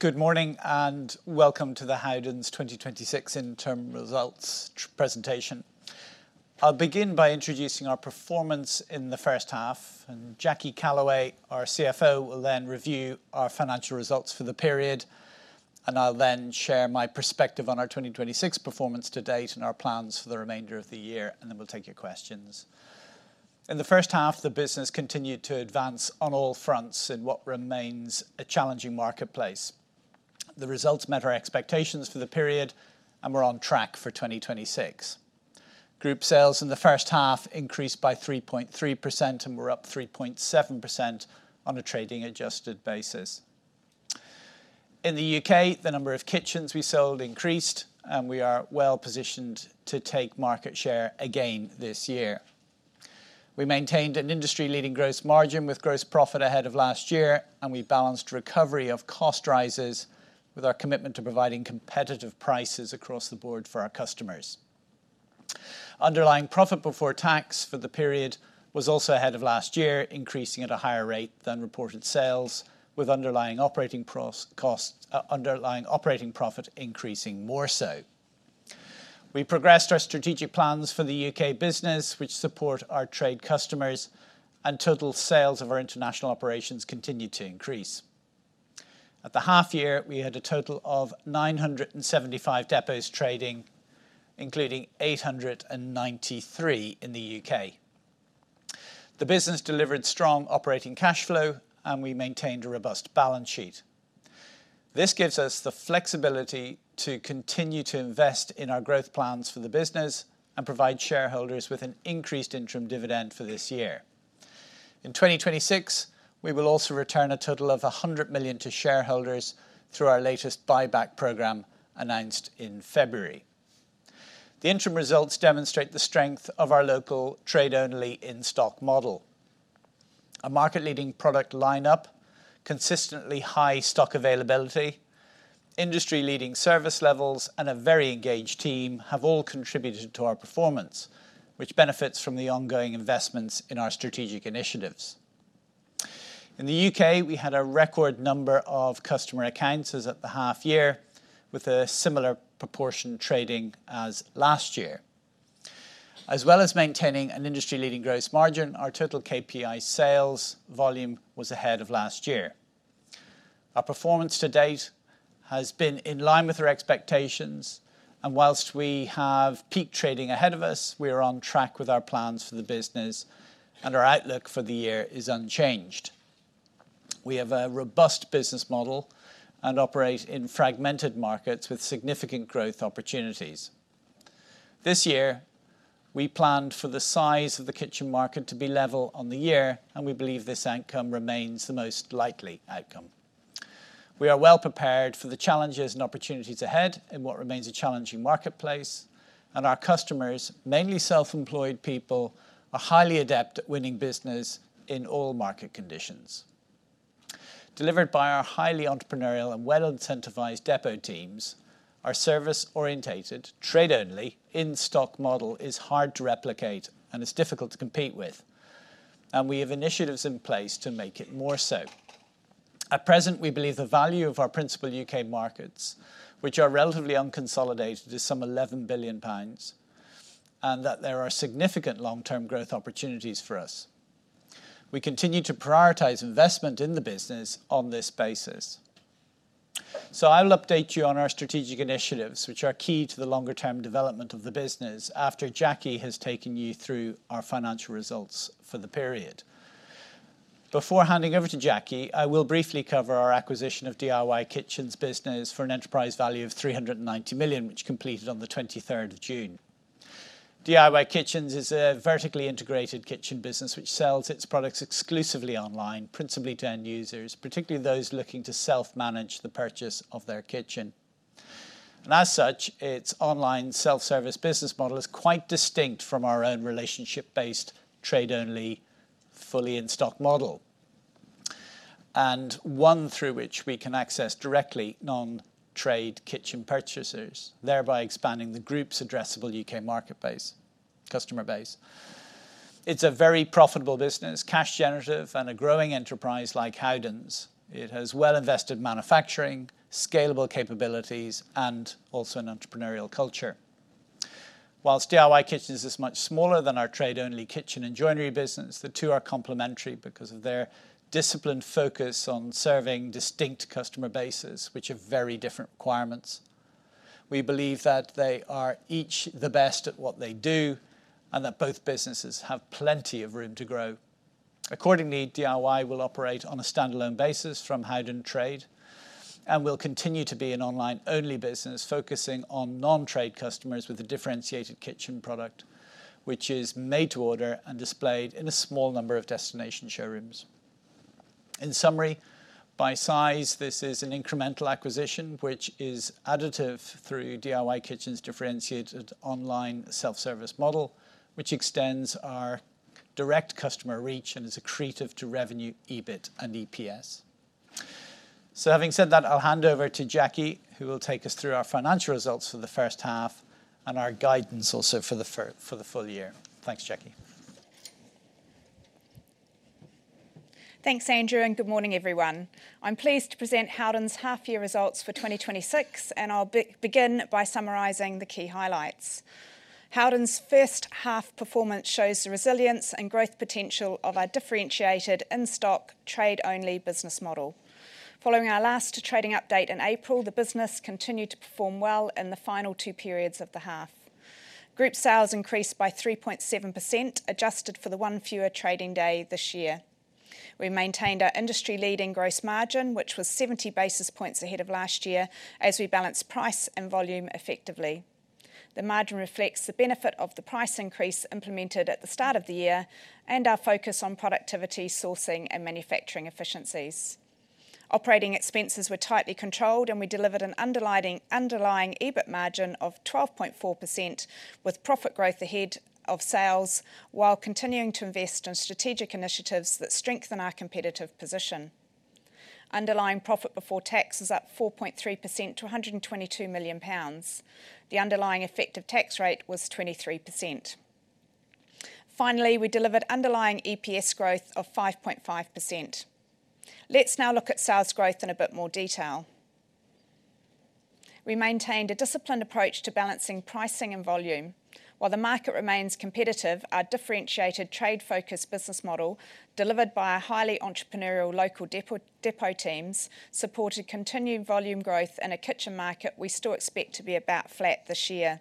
Good morning. Welcome to the Howden's 2026 interim results presentation. I'll begin by introducing our performance in the first half. Jackie Callaway, our CFO, will then review our financial results for the period. I'll then share my perspective on our 2026 performance to date and our plans for the remainder of the year. Then we'll take your questions. In the first half, the business continued to advance on all fronts in what remains a challenging marketplace. The results met our expectations for the period, and we're on track for 2026. Group sales in the first half increased by 3.3%, and were up 3.7% on a trading adjusted basis. In the U.K., the number of kitchens we sold increased, and we are well-positioned to take market share again this year. We maintained an industry-leading gross margin with gross profit ahead of last year. We balanced recovery of cost rises with our commitment to providing competitive prices across the board for our customers. Underlying profit before tax for the period was also ahead of last year, increasing at a higher rate than reported sales, with underlying operating profit increasing more so. We progressed our strategic plans for the U.K. business, which support our trade customers. Total sales of our international operations continued to increase. At the half year, we had a total of 975 depots trading, including 893 in the U.K. The business delivered strong operating cash flow. We maintained a robust balance sheet. This gives us the flexibility to continue to invest in our growth plans for the business and provide shareholders with an increased interim dividend for this year. In 2026, we will also return a total of 100 million to shareholders through our latest buyback program announced in February. The interim results demonstrate the strength of our local trade-only in-stock model. A market-leading product lineup, consistently high stock availability, industry-leading service levels, and a very engaged team have all contributed to our performance, which benefits from the ongoing investments in our strategic initiatives. In the U.K., we had a record number of customer accounts as at the half year, with a similar proportion trading as last year. As well as maintaining an industry-leading gross margin, our total KPI sales volume was ahead of last year. Our performance to date has been in line with our expectations. Whilst we have peak trading ahead of us, we are on track with our plans for the business. Our outlook for the year is unchanged. We have a robust business model. We operate in fragmented markets with significant growth opportunities. This year, we planned for the size of the kitchen market to be level on the year. We believe this outcome remains the most likely outcome. We are well-prepared for the challenges and opportunities ahead in what remains a challenging marketplace. Our customers, mainly self-employed people, are highly adept at winning business in all market conditions. Delivered by our highly entrepreneurial and well-incentivized depot teams, our service-orientated, trade-only, in-stock model is hard to replicate. Is difficult to compete with. We have initiatives in place to make it more so. At present, we believe the value of our principal U.K. markets, which are relatively unconsolidated, is some 11 billion pounds. That there are significant long-term growth opportunities for us. We continue to prioritize investment in the business on this basis. I will update you on our strategic initiatives, which are key to the longer-term development of the business, after Jackie has taken you through our financial results for the period. Before handing over to Jackie, I will briefly cover our acquisition of DIY Kitchens business for an enterprise value of 390 million, which completed on the 23rd of June. DIY Kitchens is a vertically integrated kitchen business which sells its products exclusively online, principally to end users, particularly those looking to self-manage the purchase of their kitchen. As such, its online self-service business model is quite distinct from our own relationship-based, trade-only, fully in-stock model, and one through which we can access directly non-trade kitchen purchasers, thereby expanding the group's addressable U.K. customer base. It's a very profitable business, cash generative, and a growing enterprise like Howden. It has well-invested manufacturing, scalable capabilities, and also an entrepreneurial culture. Whilst DIY Kitchens is much smaller than our trade-only kitchen and joinery business, the two are complementary because of their disciplined focus on serving distinct customer bases, which have very different requirements. We believe that they are each the best at what they do, and that both businesses have plenty of room to grow. Accordingly, DIY will operate on a standalone basis from Howden Trade and will continue to be an online-only business focusing on non-trade customers with a differentiated kitchen product, which is made to order and displayed in a small number of destination showrooms. In summary, by size, this is an incremental acquisition which is additive through DIY Kitchens' differentiated online self-service model, which extends our direct customer reach and is accretive to revenue, EBIT and EPS. Having said that, I'll hand over to Jackie, who will take us through our financial results for the first half and our guidance also for the full year. Thanks, Jackie. Thanks, Andrew, and good morning, everyone. I'm pleased to present Howden's half year results for 2026. I'll begin by summarizing the key highlights. Howden's first half performance shows the resilience and growth potential of our differentiated in-stock, trade-only business model. Following our last trading update in April, the business continued to perform well in the final two periods of the half. Group sales increased by 3.7%, adjusted for the one fewer trading day this year. We maintained our industry-leading gross margin, which was 70 basis points ahead of last year, as we balanced price and volume effectively. The margin reflects the benefit of the price increase implemented at the start of the year, and our focus on productivity, sourcing, and manufacturing efficiencies. Operating expenses were tightly controlled. We delivered an underlying EBIT margin of 12.4%, with profit growth ahead of sales, while continuing to invest in strategic initiatives that strengthen our competitive position. Underlying profit before tax is up 4.3% to 122 million pounds. The underlying effective tax rate was 23%. Finally, we delivered underlying EPS growth of 5.5%. Let's now look at sales growth in a bit more detail. We maintained a disciplined approach to balancing pricing and volume. While the market remains competitive, our differentiated trade-focused business model, delivered by our highly entrepreneurial local depot teams, supported continued volume growth in a kitchen market we still expect to be about flat this year.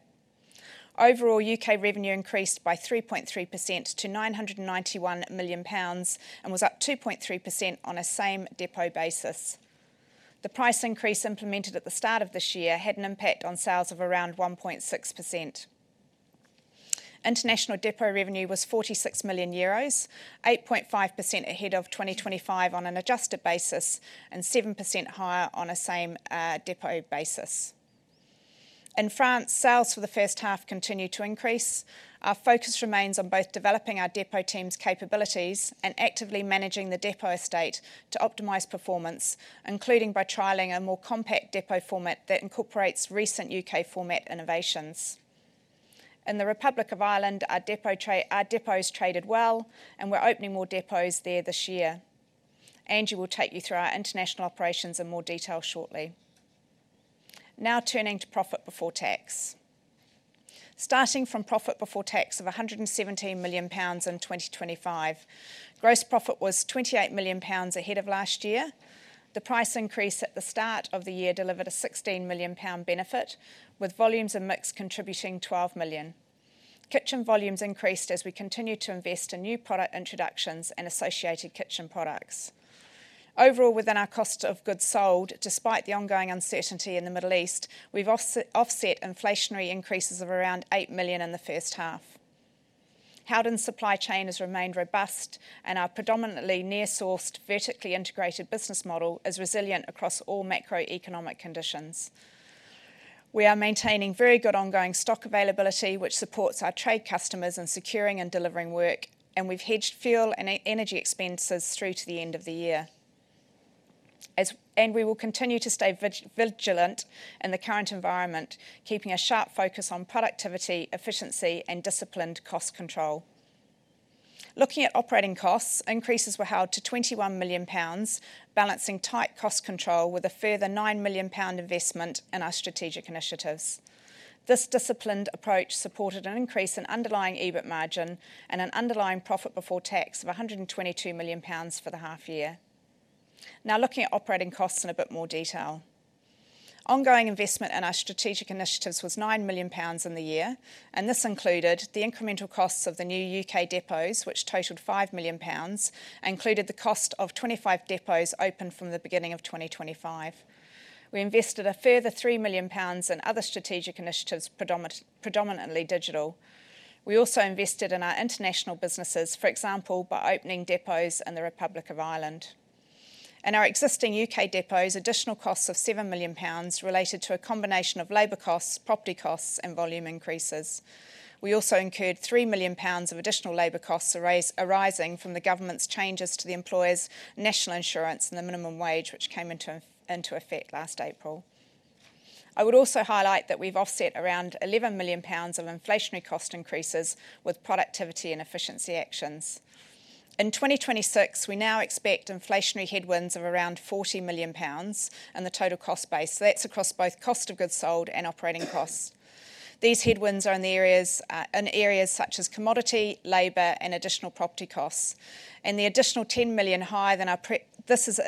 Overall, U.K. revenue increased by 3.3% to 991 million pounds and was up 2.3% on a same depot basis. The price increase implemented at the start of this year had an impact on sales of around 1.6%. International depot revenue was 46 million euros, 8.5% ahead of 2025 on an adjusted basis, and 7% higher on a same depot basis. In France, sales for the first half continued to increase. Our focus remains on both developing our depot teams' capabilities and actively managing the depot estate to optimize performance, including by trialing a more compact depot format that incorporates recent U.K. format innovations. In the Republic of Ireland, our depots traded well. We're opening more depots there this year. Andrew will take you through our international operations in more detail shortly. Now turning to profit before tax. Starting from profit before tax of GBP 117 million in 2025, gross profit was GBP 28 million ahead of last year. The price increase at the start of the year delivered a GBP 16 million benefit, with volumes and mix contributing GBP 12 million. Kitchen volumes increased as we continued to invest in new product introductions and associated kitchen products. Overall, within our cost of goods sold, despite the ongoing uncertainty in the Middle East, we've offset inflationary increases of around 8 million in the first half. Howden's supply chain has remained robust. Our predominantly near-sourced, vertically integrated business model is resilient across all macroeconomic conditions. We are maintaining very good ongoing stock availability, which supports our trade customers in securing and delivering work. We've hedged fuel and energy expenses through to the end of the year. We will continue to stay vigilant in the current environment, keeping a sharp focus on productivity, efficiency, and disciplined cost control. Looking at operating costs, increases were held to 21 million pounds, balancing tight cost control with a further 9 million pound investment in our strategic initiatives. This disciplined approach supported an increase in underlying EBIT margin and an underlying profit before tax of 122 million pounds for the half year. Now, looking at operating costs in a bit more detail. Ongoing investment in our strategic initiatives was 9 million pounds in the year. This included the incremental costs of the new U.K. depots, which totaled 5 million pounds, and included the cost of 25 depots opened from the beginning of 2025. We invested a further 3 million pounds in other strategic initiatives, predominantly digital. We also invested in our international businesses, for example, by opening depots in the Republic of Ireland. In our existing U.K. depots, additional costs of 7 million pounds related to a combination of labor costs, property costs, and volume increases. We also incurred 3 million pounds of additional labor costs arising from the government's changes to the employers' national insurance and the minimum wage, which came into effect last April. I would also highlight that we've offset around 11 million pounds of inflationary cost increases with productivity and efficiency actions. In 2026, we now expect inflationary headwinds of around 40 million pounds in the total cost base. That's across both cost of goods sold and operating costs. These headwinds are in areas such as commodity, labor, and additional property costs. This is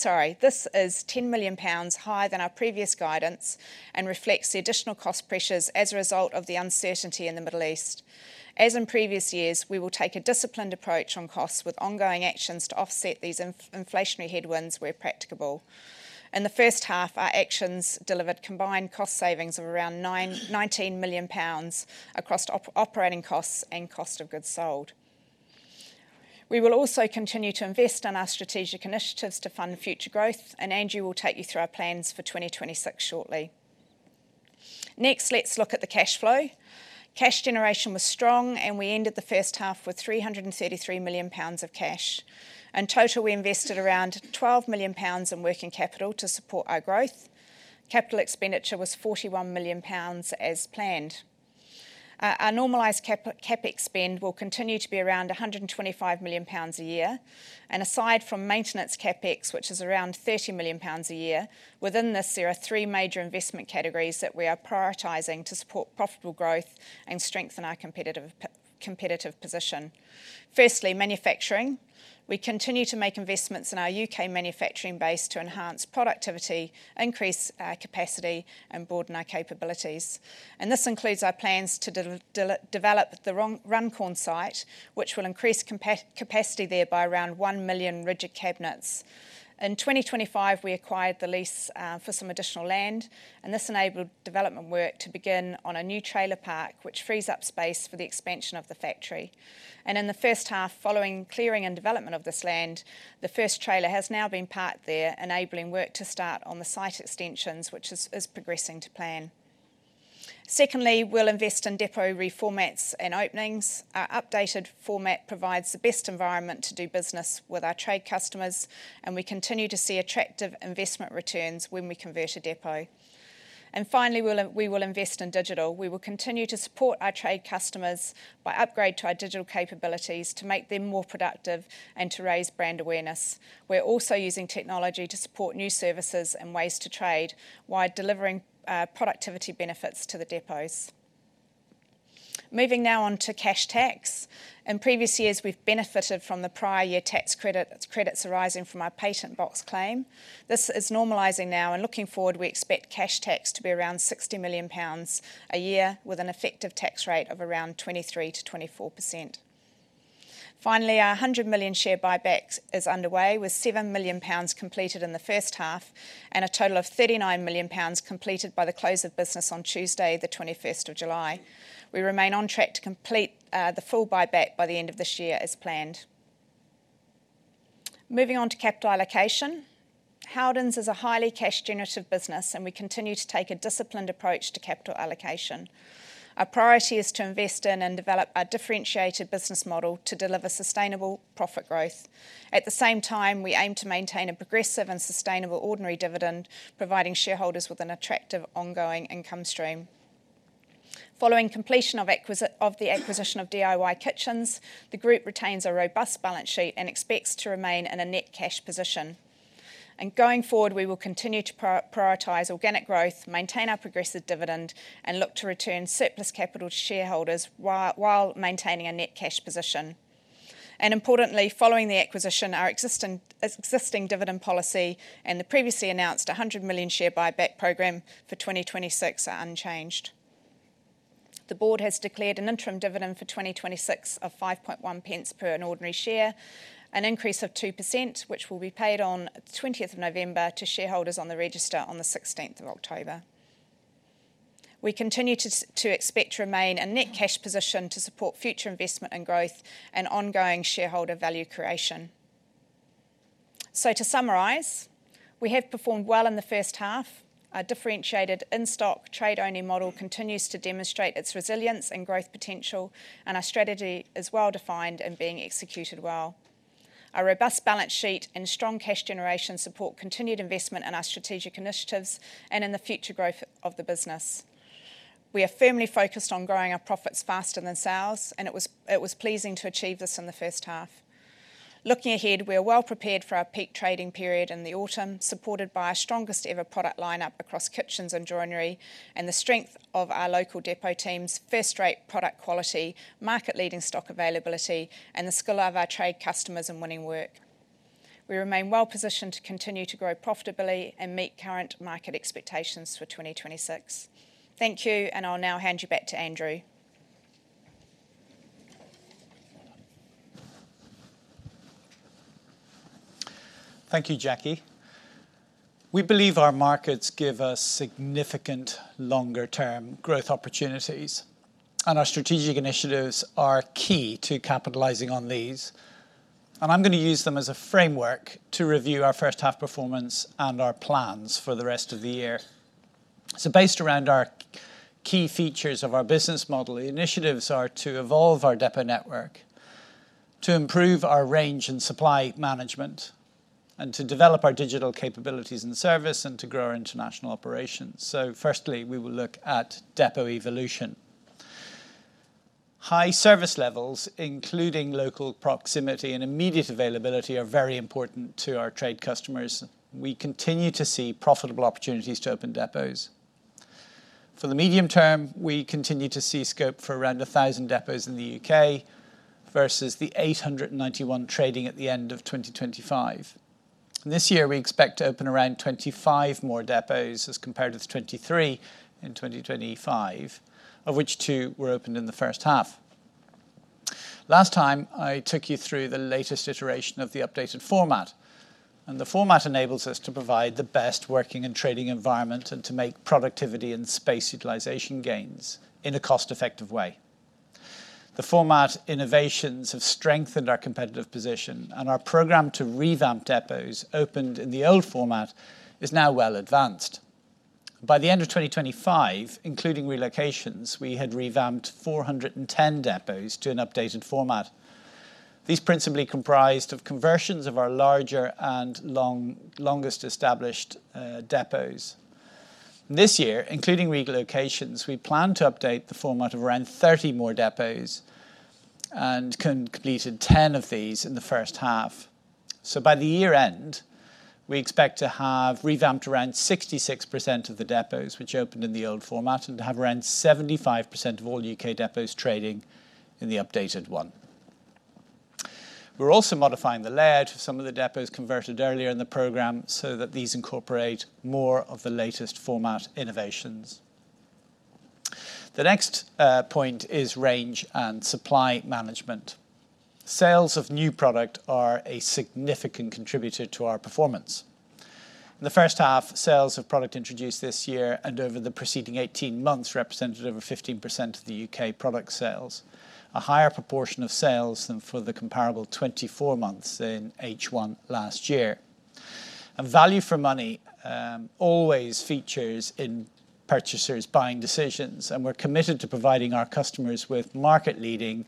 10 million pounds higher than our previous guidance and reflects the additional cost pressures as a result of the uncertainty in the Middle East. As in previous years, we will take a disciplined approach on costs, with ongoing actions to offset these inflationary headwinds where practicable. In the first half, our actions delivered combined cost savings of around 19 million pounds across operating costs and cost of goods sold. We will also continue to invest in our strategic initiatives to fund future growth, and Andrew will take you through our plans for 2026 shortly. Next, let's look at the cash flow. Cash generation was strong, and we ended the first half with 333 million pounds of cash. In total, we invested around 12 million pounds in working capital to support our growth. Capital expenditure was 41 million pounds as planned. Our normalized CapEx spend will continue to be around 125 million pounds a year. Aside from maintenance CapEx, which is around 30 million pounds a year, within this, there are three major investment categories that we are prioritizing to support profitable growth and strengthen our competitive position. Firstly, manufacturing. We continue to make investments in our U.K. manufacturing base to enhance productivity, increase our capacity, and broaden our capabilities. This includes our plans to develop the Runcorn site, which will increase capacity there by around one million rigid cabinets. In 2025, we acquired the lease for some additional land, and this enabled development work to begin on a new trailer park, which frees up space for the expansion of the factory. In the first half, following clearing and development of this land, the first trailer has now been parked there, enabling work to start on the site extensions, which is progressing to plan. Secondly, we'll invest in depot reformats and openings. Our updated format provides the best environment to do business with our trade customers, and we continue to see attractive investment returns when we convert a depot. Finally, we will invest in digital. We will continue to support our trade customers by upgrade to our digital capabilities to make them more productive and to raise brand awareness. We're also using technology to support new services and ways to trade while delivering productivity benefits to the depots. Moving now on to cash tax. In previous years, we've benefited from the prior year tax credits arising from our patent box claim. This is normalizing now, and looking forward, we expect cash tax to be around 60 million pounds a year, with an effective tax rate of around 23%-24%. Finally, our 100 million share buybacks is underway, with 7 million pounds completed in the first half, and a total of 39 million pounds completed by the close of business on Tuesday, the 21st of July. We remain on track to complete the full buyback by the end of this year as planned. Moving on to capital allocation. Howden is a highly cash-generative business. We continue to take a disciplined approach to capital allocation. Our priority is to invest in and develop our differentiated business model to deliver sustainable profit growth. At the same time, we aim to maintain a progressive and sustainable ordinary dividend, providing shareholders with an attractive ongoing income stream. Following completion of the acquisition of DIY Kitchens, the group retains a robust balance sheet and expects to remain in a net cash position. Going forward, we will continue to prioritize organic growth, maintain our progressive dividend, and look to return surplus capital to shareholders while maintaining a net cash position. Importantly, following the acquisition, our existing dividend policy and the previously announced 100 million share buyback program for 2026 are unchanged. The board has declared an interim dividend for 2026 of 0.051 per an ordinary share, an increase of 2%, which will be paid on the 20th of November to shareholders on the register on the 16th of October. We continue to expect to remain in net cash position to support future investment and growth and ongoing shareholder value creation. To summarize, we have performed well in the first half. Our differentiated in-stock trade-only model continues to demonstrate its resilience and growth potential, and our strategy is well-defined and being executed well. Our robust balance sheet and strong cash generation support continued investment in our strategic initiatives and in the future growth of the business. We are firmly focused on growing our profits faster than sales, and it was pleasing to achieve this in the first half. Looking ahead, we are well prepared for our peak trading period in the autumn, supported by our strongest ever product lineup across kitchens and joinery, and the strength of our local depot teams, first-rate product quality, market-leading stock availability, and the skill of our trade customers in winning work. We remain well positioned to continue to grow profitably and meet current market expectations for 2026. Thank you, and I'll now hand you back to Andrew. Thank you, Jackie. We believe our markets give us significant longer-term growth opportunities, and our strategic initiatives are key to capitalizing on these. I'm going to use them as a framework to review our first half performance and our plans for the rest of the year. Based around our key features of our business model, initiatives are to evolve our depot network, to improve our range and supply management, and to develop our digital capabilities and service, and to grow our international operations. Firstly, we will look at depot evolution. High service levels, including local proximity and immediate availability, are very important to our trade customers. We continue to see profitable opportunities to open depots. For the medium term, we continue to see scope for around 1,000 depots in the U.K. versus the 891 trading at the end of 2025. This year, we expect to open around 25 more depots as compared with 23 in 2025, of which two were opened in the first half. Last time, I took you through the latest iteration of the updated format. The format enables us to provide the best working and trading environment and to make productivity and space utilization gains in a cost-effective way. The format innovations have strengthened our competitive position. Our program to revamp depots opened in the old format is now well advanced. By the end of 2025, including relocations, we had revamped 410 depots to an updated format. These principally comprised of conversions of our larger and longest established depots. This year, including relocations, we plan to update the format of around 30 more depots and completed 10 of these in the first half. By the year-end, we expect to have revamped around 66% of the depots which opened in the old format and have around 75% of all U.K. depots trading in the updated one. We're also modifying the layout of some of the depots converted earlier in the program so that these incorporate more of the latest format innovations. The next point is range and supply management. Sales of new product are a significant contributor to our performance. In the first half, sales of product introduced this year and over the preceding 18 months represented over 15% of the U.K. product sales, a higher proportion of sales than for the comparable 24 months in H1 last year. Value for money always features in purchasers' buying decisions, and we're committed to providing our customers with market-leading,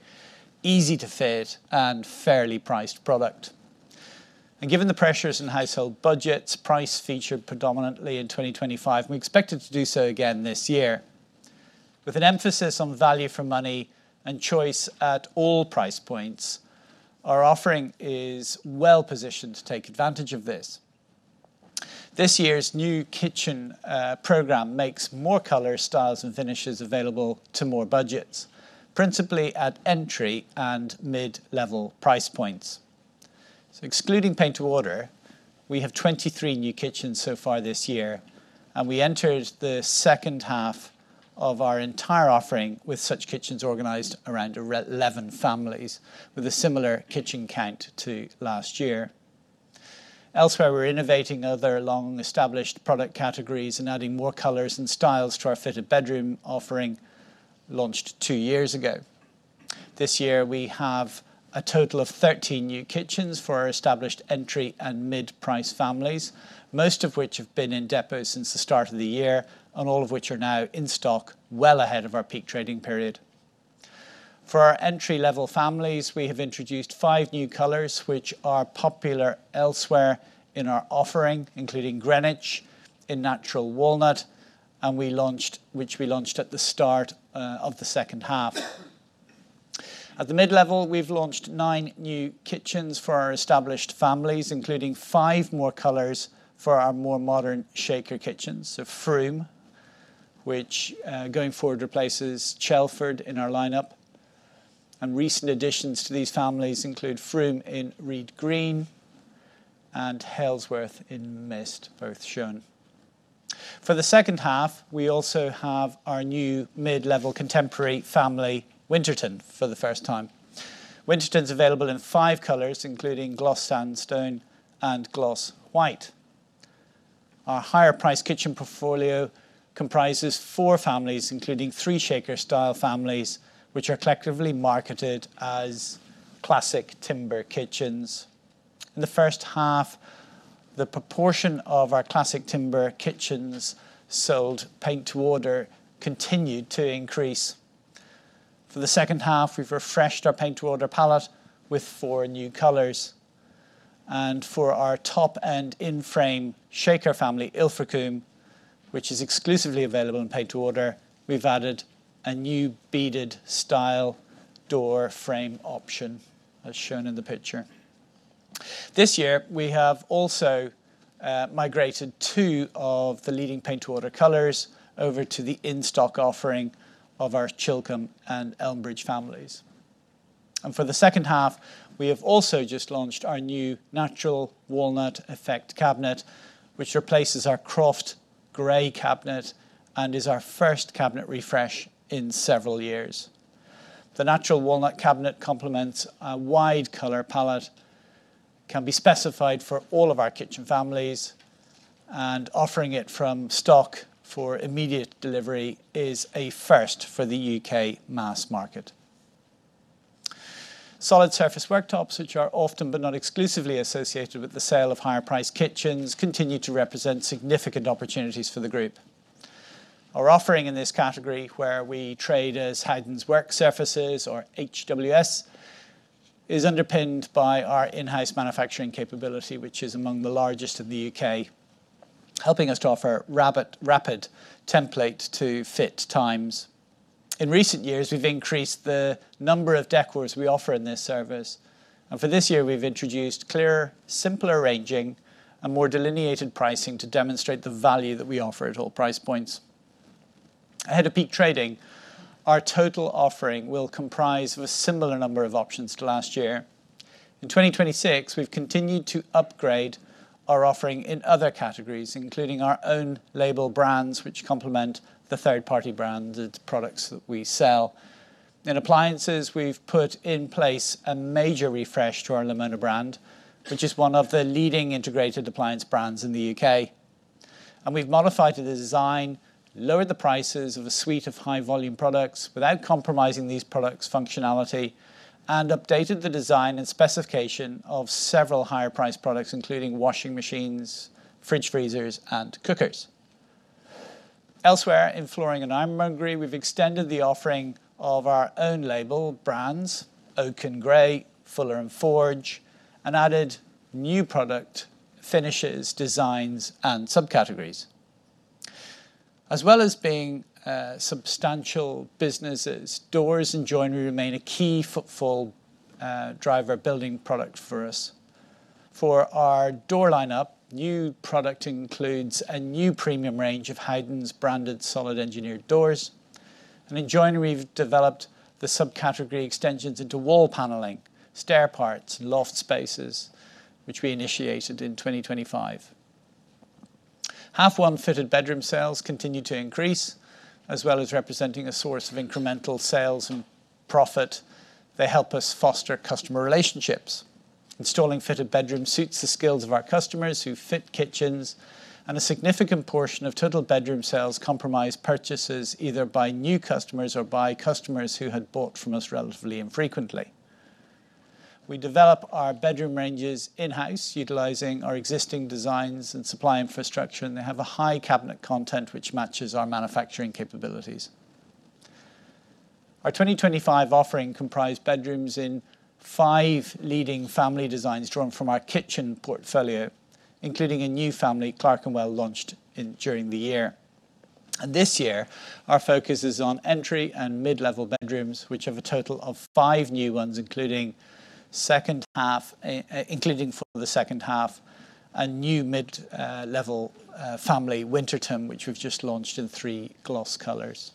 easy to fit, and fairly priced product. Given the pressures in household budgets, price featured predominantly in 2025, and we expect it to do so again this year. With an emphasis on value for money and choice at all price points, our offering is well-positioned to take advantage of this. This year's new kitchen program makes more color, styles, and finishes available to more budgets, principally at entry and mid-level price points. Excluding paint to order, we have 23 new kitchens so far this year, and we entered the second half of our entire offering with such kitchens organized around 11 families with a similar kitchen count to last year. Elsewhere, we're innovating other long-established product categories and adding more colors and styles to our fitted bedroom offering, launched two years ago. This year, we have a total of 13 new kitchens for our established entry and mid-price families, most of which have been in depot since the start of the year, and all of which are now in stock well ahead of our peak trading period. For our entry-level families, we have introduced five new colors, which are popular elsewhere in our offering, including Greenwich in natural walnut, which we launched at the start of the second half. At the mid-level, we've launched nine new kitchens for our established families, including five more colors for our more modern shaker kitchens. Frome, which, going forward, replaces Chelford in our lineup. Recent additions to these families include Frome in reed green and Halesworth in mist, both shown. For the second half, we also have our new mid-level contemporary family, Winterton, for the first time. Winterton's available in five colors, including gloss sandstone and gloss white. Our higher priced kitchen portfolio comprises four families, including three shaker style families, which are collectively marketed as classic timber kitchens. In the first half, the proportion of our classic timber kitchens sold paint to order continued to increase. For the second half, we've refreshed our paint to order palette with four new colors. For our top and in-frame shaker family, Ilfracombe, which is exclusively available in paint to order, we've added a new beaded style door frame option, as shown in the picture. This year, we have also migrated two of the leading paint to order colors over to the in-stock offering of our Chilcomb and Elmbridge families. For the second half, we have also just launched our new natural walnut effect cabinet, which replaces our Croft Grey cabinet and is our first cabinet refresh in several years. The natural walnut cabinet complements a wide color palette, can be specified for all of our kitchen families, and offering it from stock for immediate delivery is a first for the U.K. mass market. Solid surface worktops, which are often but not exclusively associated with the sale of higher priced kitchens, continue to represent significant opportunities for the group. Our offering in this category, where we trade as Howden's Work Surfaces, or HWS, is underpinned by our in-house manufacturing capability, which is among the largest in the U.K., helping us to offer rapid template to fit times. In recent years, we've increased the number of decors we offer in this service, and for this year we've introduced clearer, simpler ranging and more delineated pricing to demonstrate the value that we offer at all price points. Ahead of peak trading, our total offering will comprise of a similar number of options to last year. In 2026, we've continued to upgrade our offering in other categories, including our own label brands, which complement the third-party branded products that we sell. In appliances, we've put in place a major refresh to our Lamona brand, which is one of the leading integrated appliance brands in the U.K. We've modified the design, lowered the prices of a suite of high volume products without compromising these products' functionality, and updated the design and specification of several higher priced products, including washing machines, fridge freezers, and cookers. Elsewhere in flooring and ironmongery, we've extended the offering of our own label brands, Oake & Gray, Fuller & Forge, and added new product finishes, designs, and subcategories. As well as being substantial businesses, doors and joinery remain a key footfall driver building product for us. For our door lineup, new product includes a new premium range of Howden branded solid engineered doors. In joinery, we've developed the subcategory extensions into wall paneling, stair parts, and loft spaces, which we initiated in 2025. Half one fitted bedroom sales continue to increase. As well as representing a source of incremental sales and profit, they help us foster customer relationships. Installing fitted bedrooms suits the skills of our customers who fit kitchens, and a significant portion of total bedroom sales comprise purchases either by new customers or by customers who had bought from us relatively infrequently. We develop our bedroom ranges in-house, utilizing our existing designs and supply infrastructure, and they have a high cabinet content, which matches our manufacturing capabilities. Our 2025 offering comprised bedrooms in five leading family designs drawn from our kitchen portfolio, including a new family Clerkenwell launched during the year. This year, our focus is on entry and mid-level bedrooms, which have a total of five new ones, including for the second half, a new mid-level family, Winterton, which we've just launched in three gloss colors.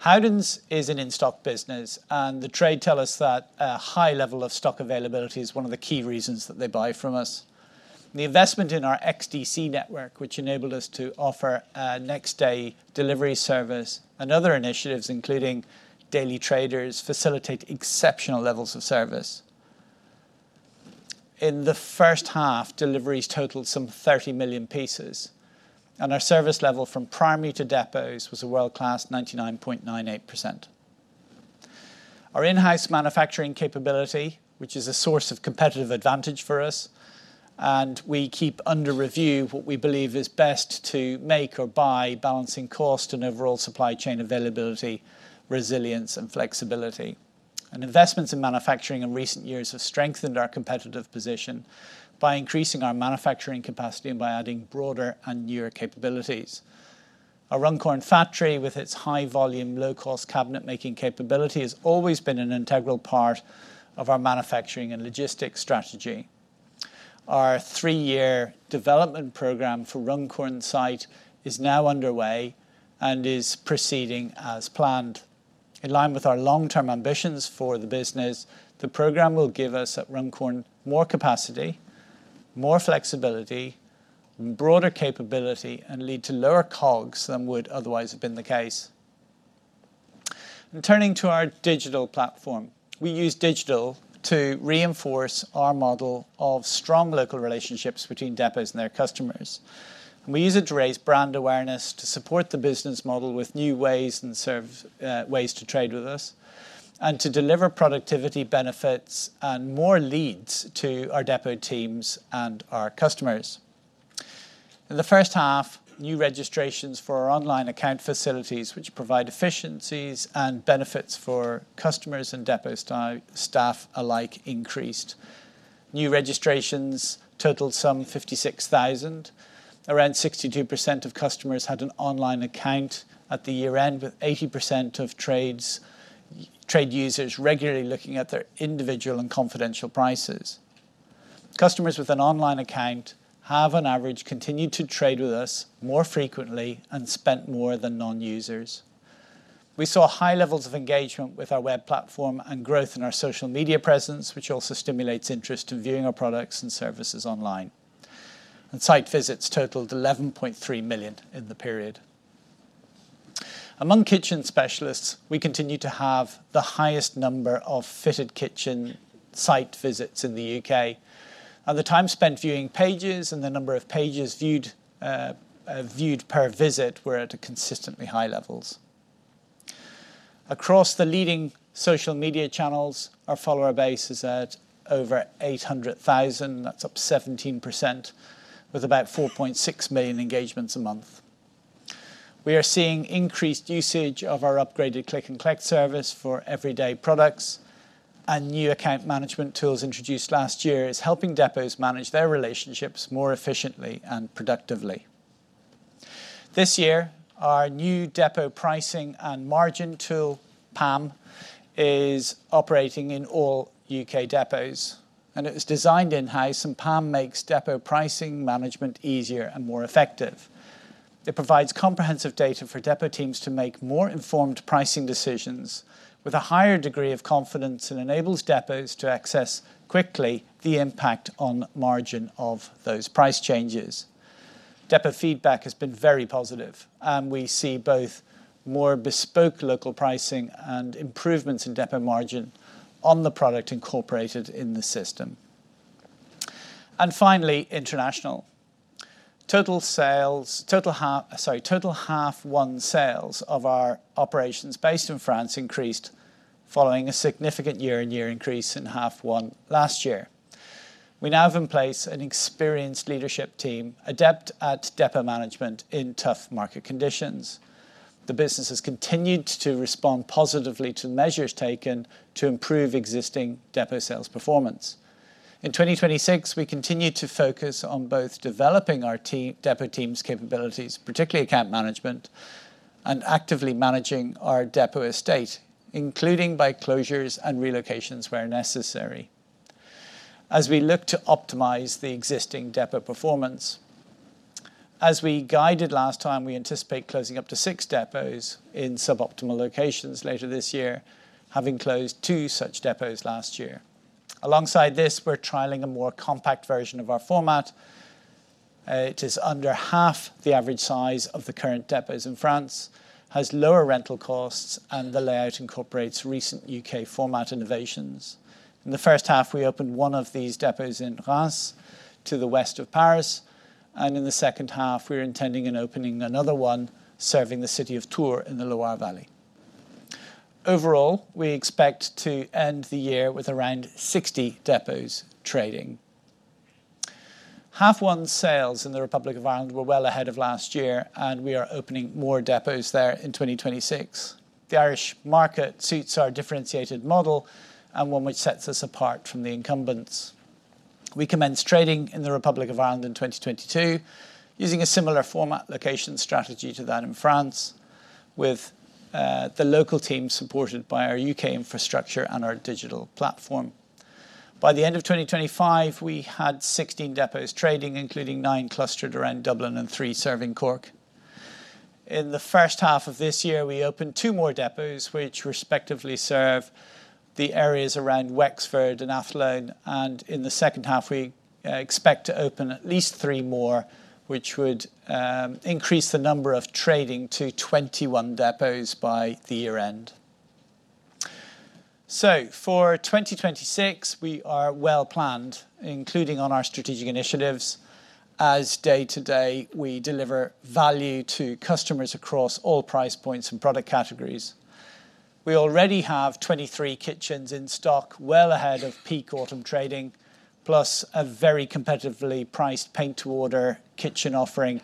Howden is an in-stock business, and the trade tell us that a high level of stock availability is one of the key reasons that they buy from us. The investment in our XDC network, which enabled us to offer next day delivery service and other initiatives, including daily traders, facilitate exceptional levels of service. In the first half, deliveries totaled some 30 million pieces, and our service level from primary to depots was a world-class 99.98%. Our in-house manufacturing capability, which is a source of competitive advantage for us, and we keep under review what we believe is best to make or buy, balancing cost and overall supply chain availability, resilience, and flexibility. Investments in manufacturing in recent years have strengthened our competitive position by increasing our manufacturing capacity and by adding broader and newer capabilities. Our Runcorn factory, with its high volume, low cost cabinet making capability, has always been an integral part of our manufacturing and logistics strategy. Our three-year development program for Runcorn site is now underway and is proceeding as planned. In line with our long-term ambitions for the business, the program will give us at Runcorn more capacity, more flexibility, broader capability, and lead to lower COGS than would otherwise have been the case. Turning to our digital platform. We use digital to reinforce our model of strong local relationships between depots and their customers. We use it to raise brand awareness to support the business model with new ways to trade with us and to deliver productivity benefits and more leads to our depot teams and our customers. In the first half, new registrations for our online account facilities, which provide efficiencies and benefits for customers and depot staff alike increased. New registrations totaled some 56,000. Around 62% of customers had an online account at the year-end, with 80% of trade users regularly looking at their individual and confidential prices. Customers with an online account have on average continued to trade with us more frequently and spent more than non-users. We saw high levels of engagement with our web platform and growth in our social media presence, which also stimulates interest in viewing our products and services online. Site visits totaled 11.3 million in the period. Among kitchen specialists, we continue to have the highest number of fitted kitchen site visits in the U.K. The time spent viewing pages and the number of pages viewed per visit were at consistently high levels. Across the leading social media channels, our follower base is at over 800,000. That's up 17%, with about 4.6 million engagements a month. We are seeing increased usage of our upgraded click and collect service for everyday products and new account management tools introduced last year is helping depots manage their relationships more efficiently and productively. This year, our new depot pricing and margin tool, PAM, is operating in all U.K. depots. It was designed in-house, and PAM makes depot pricing management easier and more effective. It provides comprehensive data for depot teams to make more informed pricing decisions with a higher degree of confidence and enables depots to access quickly the impact on margin of those price changes. Depot feedback has been very positive, and we see both more bespoke local pricing and improvements in depot margin on the product incorporated in the system. Finally, international. Total half one sales of our operations based in France increased following a significant year-on-year increase in half one last year. We now have in place an experienced leadership team adept at depot management in tough market conditions. The business has continued to respond positively to measures taken to improve existing depot sales performance. In 2026, we continued to focus on both developing our depot team's capabilities, particularly account management, and actively managing our depot estate, including by closures and relocations where necessary, as we look to optimize the existing depot performance. As we guided last time, we anticipate closing up to six depots in suboptimal locations later this year, having closed two such depots last year. Alongside this, we're trialing a more compact version of our format. It is under half the average size of the current depots in France, has lower rental costs, and the layout incorporates recent U.K. format innovations. In the first half, we opened one of these depots in Reims to the west of Paris, and in the second half, we're intending on opening another one serving the city of Tours in the Loire Valley. Overall, we expect to end the year with around 60 depots trading. Half one sales in the Republic of Ireland were well ahead of last year. We are opening more depots there in 2026. The Irish market suits our differentiated model and one which sets us apart from the incumbents. We commenced trading in the Republic of Ireland in 2022 using a similar format location strategy to that in France with the local team supported by our U.K. infrastructure and our digital platform. By the end of 2025, we had 16 depots trading, including nine clustered around Dublin and three serving Cork. In the first half of this year, we opened two more depots, which respectively serve the areas around Wexford and Athlone, and in the second half, we expect to open at least three more, which would increase the number of trading to 21 depots by the year-end. For 2026, we are well planned, including on our strategic initiatives, as day-to-day, we deliver value to customers across all price points and product categories. We already have 23 kitchens in stock, well ahead of peak autumn trading, plus a very competitively priced paint-to-order kitchen offering.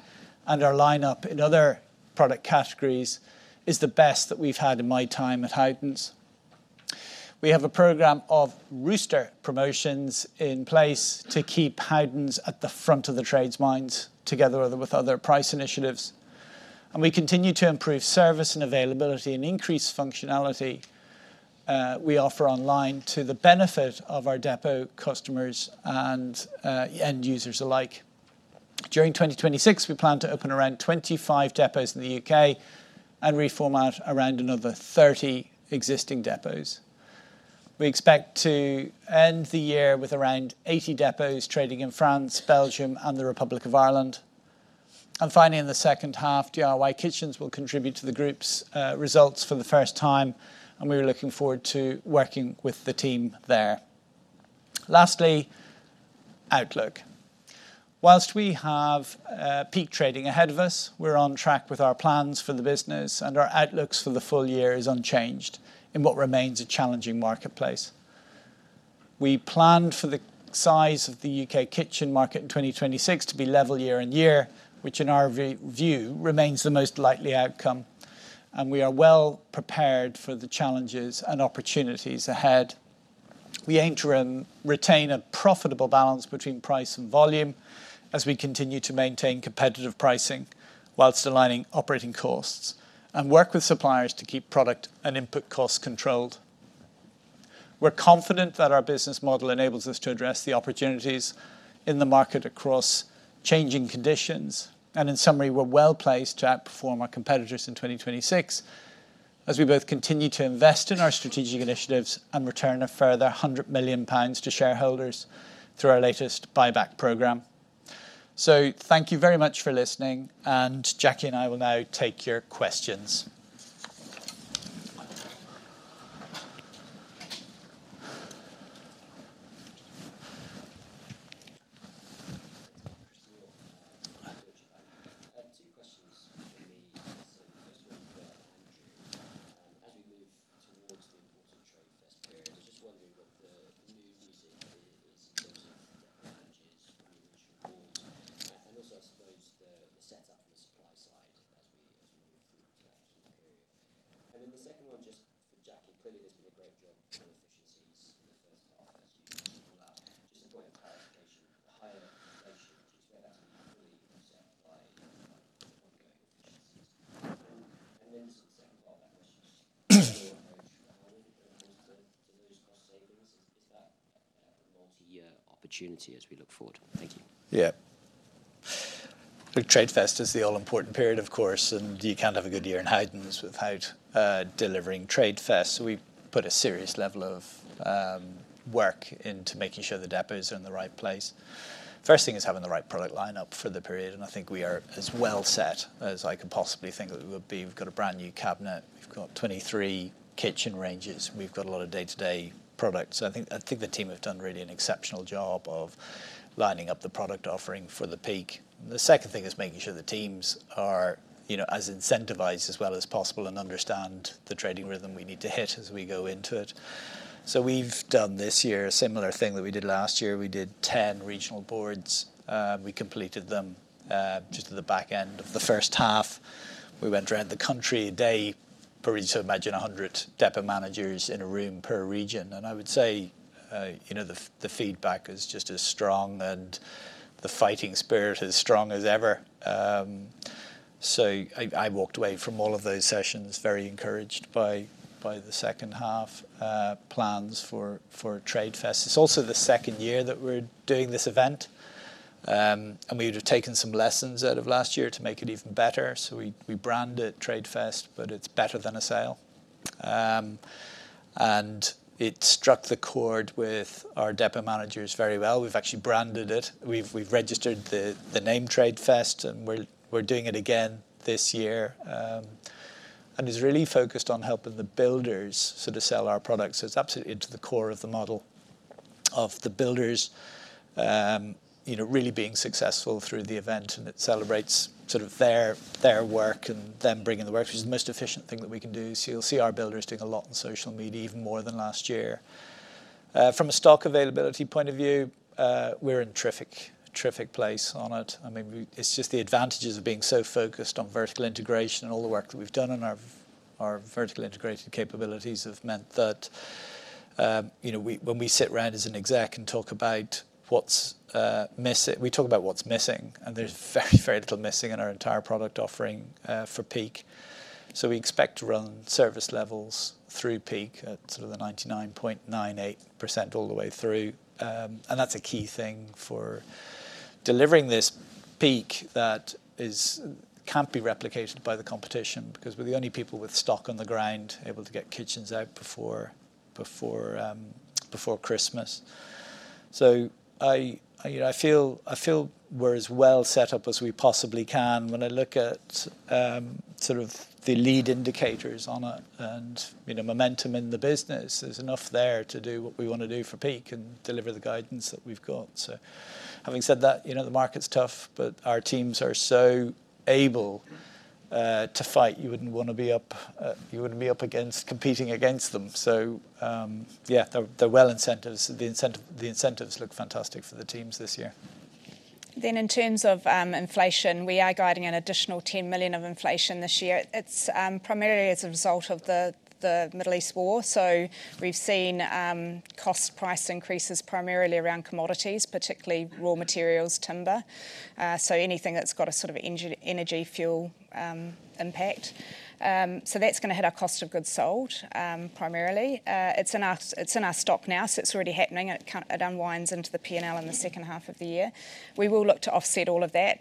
Our lineup in other product categories is the best that we've had in my time at Howden. We have a program of rooster promotions in place to keep Howden at the front of the trades minds together with other price initiatives. We continue to improve service and availability and increase functionality we offer online to the benefit of our depot customers and end users alike. During 2026, we plan to open around 25 depots in the U.K. and reformat around another 30 existing depots. We expect to end the year with around 80 depots trading in France, Belgium, and the Republic of Ireland. Finally, in the second half, DIY Kitchens will contribute to the group's results for the first time, and we are looking forward to working with the team there. Lastly, outlook. While we have peak trading ahead of us, we are on track with our plans for the business, and our outlook for the full year is unchanged in what remains a challenging marketplace. We plan for the size of the U.K. kitchen market in 2026 to be level year-on-year, which in our view remains the most likely outcome, and we are well prepared for the challenges and opportunities ahead. We aim to retain a profitable balance between price and volume as we continue to maintain competitive pricing while aligning operating costs and work with suppliers to keep product and input costs controlled. We are confident that our business model enables us to address the opportunities in the market across changing conditions. In summary, we are well-placed to outperform our competitors in 2026 as we both continue to invest in our strategic initiatives and return a further 100 million pounds to shareholders through our latest buyback program. Thank you very much for listening, and Jackie and I will now take your questions. So I think the team have done really an exceptional job of lining up the product offering for the peak. The second thing is making sure the teams are as incentivized as well as possible and understand the trading rhythm we need to hit as we go into it. So we have done this year a similar thing that we did last year. We did 10 regional boards. We completed them just at the back end of the first half. We went around the country, a day, probably to imagine 100 depot managers in a room per region. I would say the feedback is just as strong and the fighting spirit as strong as ever. I walked away from all of those sessions very encouraged by the second half plans for TradeFest. It is also the second year that we are doing this event. We would have taken some lessons out of last year to make it even better. We brand it TradeFest, but it is better than a sale. It struck a chord with our depot managers very well. We have actually branded it. We have registered the name TradeFest, and we are doing it again this year. It is really focused on helping the builders sell our products. It is absolutely to the core of the model of the builders really being successful through the event, and it celebrates their work and them bringing the work, which is the most efficient thing that we can do. You will see our builders doing a lot on social media, even more than last year. From a stock availability point of view, we are in a terrific place on it. It is just the advantages of being so focused on vertical integration and all the work that we have done on our vertical integration capabilities have meant that when we sit around as an exec and talk about what is missing, and there is very, very little missing in our entire product offering for peak. We expect to run service levels through peak at the 99.98% all the way through. That is a key thing for delivering this peak that cannot be replicated by the competition because we are the only people with stock on the ground able to get kitchens out before Christmas. I feel we are as well set up as we possibly can when I look at the lead indicators on it and momentum in the business. There is enough there to do what we want to do for peak and deliver the guidance that we have got. Having said that, the market is tough, but our teams are so able to fight. You would not be competing against them. Yeah, they are well incentives. The incentives look fantastic for the teams this year. In terms of inflation, we are guiding an additional 10 million of inflation this year. It is primarily as a result of the Middle East war. We have seen cost price increases primarily around commodities, particularly raw materials, timber. Anything that has got a sort of energy fuel impact. That is going to hit our cost of goods sold primarily. It is in our stock now, so it is already happening. It unwinds into the P&L in the second half of the year. We will look to offset all of that.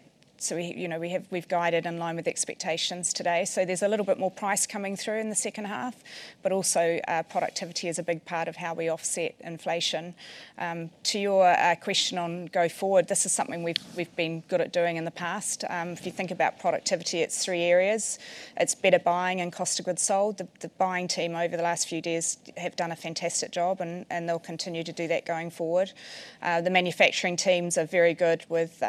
We have guided in line with expectations today. There is a little bit more price coming through in the second half, but also productivity is a big part of how we offset inflation. To your question on go forward, this is something we have been good at doing in the past. If you think about productivity, it is three areas. It's better buying and cost of goods sold. The buying team over the last few years have done a fantastic job and they'll continue to do that going forward. The manufacturing teams are very good with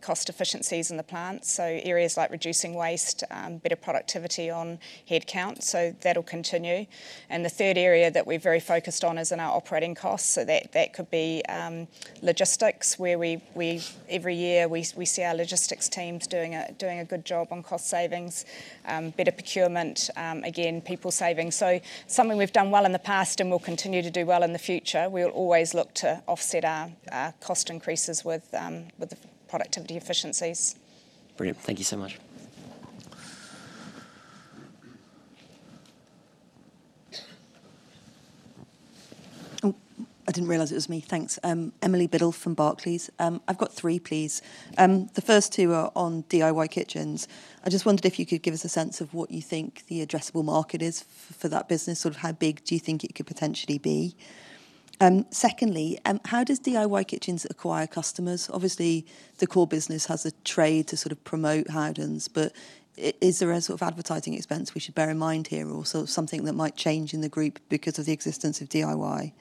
cost efficiencies in the plant. Areas like reducing waste, better productivity on headcount. That'll continue. The third area that we're very focused on is in our operating costs. That could be logistics where every year we see our logistics teams doing a good job on cost savings, better procurement, again, people saving. Something we've done well in the past and will continue to do well in the future. We'll always look to offset our cost increases with the productivity efficiencies. Brilliant. Thank you so much. Oh, I didn't realize it was me. Thanks. Emily Biddulph from Barclays. I've got three, please. The first two are on DIY Kitchens. I just wondered if you could give us a sense of what you think the addressable market is for that business, how big do you think it could potentially be? Secondly, how does DIY Kitchens acquire customers? Obviously, the core business has a trade to sort of promote Howden, but is there a sort of advertising expense we should bear in mind here or something that might change in the group because of the existence of DIY?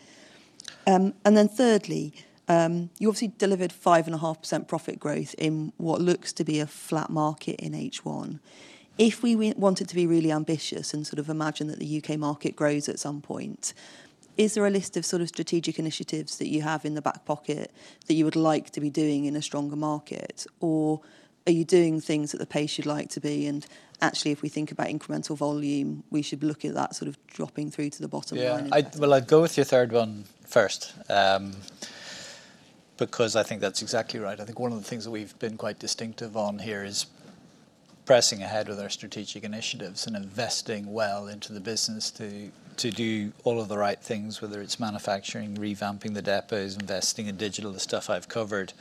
Thirdly, you obviously delivered 5.5% profit growth in what looks to be a flat market in H1. If we wanted to be really ambitious and sort of imagine that the U.K. market grows at some point, is there a list of sort of strategic initiatives that you have in the back pocket that you would like to be doing in a stronger market? Are you doing things at the pace you'd like to be and actually if we think about incremental volume, we should look at that sort of dropping through to the bottom line impact? Well, I'd go with your third one first because I think that's exactly right. I think one of the things that we've been quite distinctive on here is pressing ahead with our strategic initiatives and investing well into the business to do all of the right things, whether it's manufacturing, revamping the depots, investing in digital, the stuff I've covered.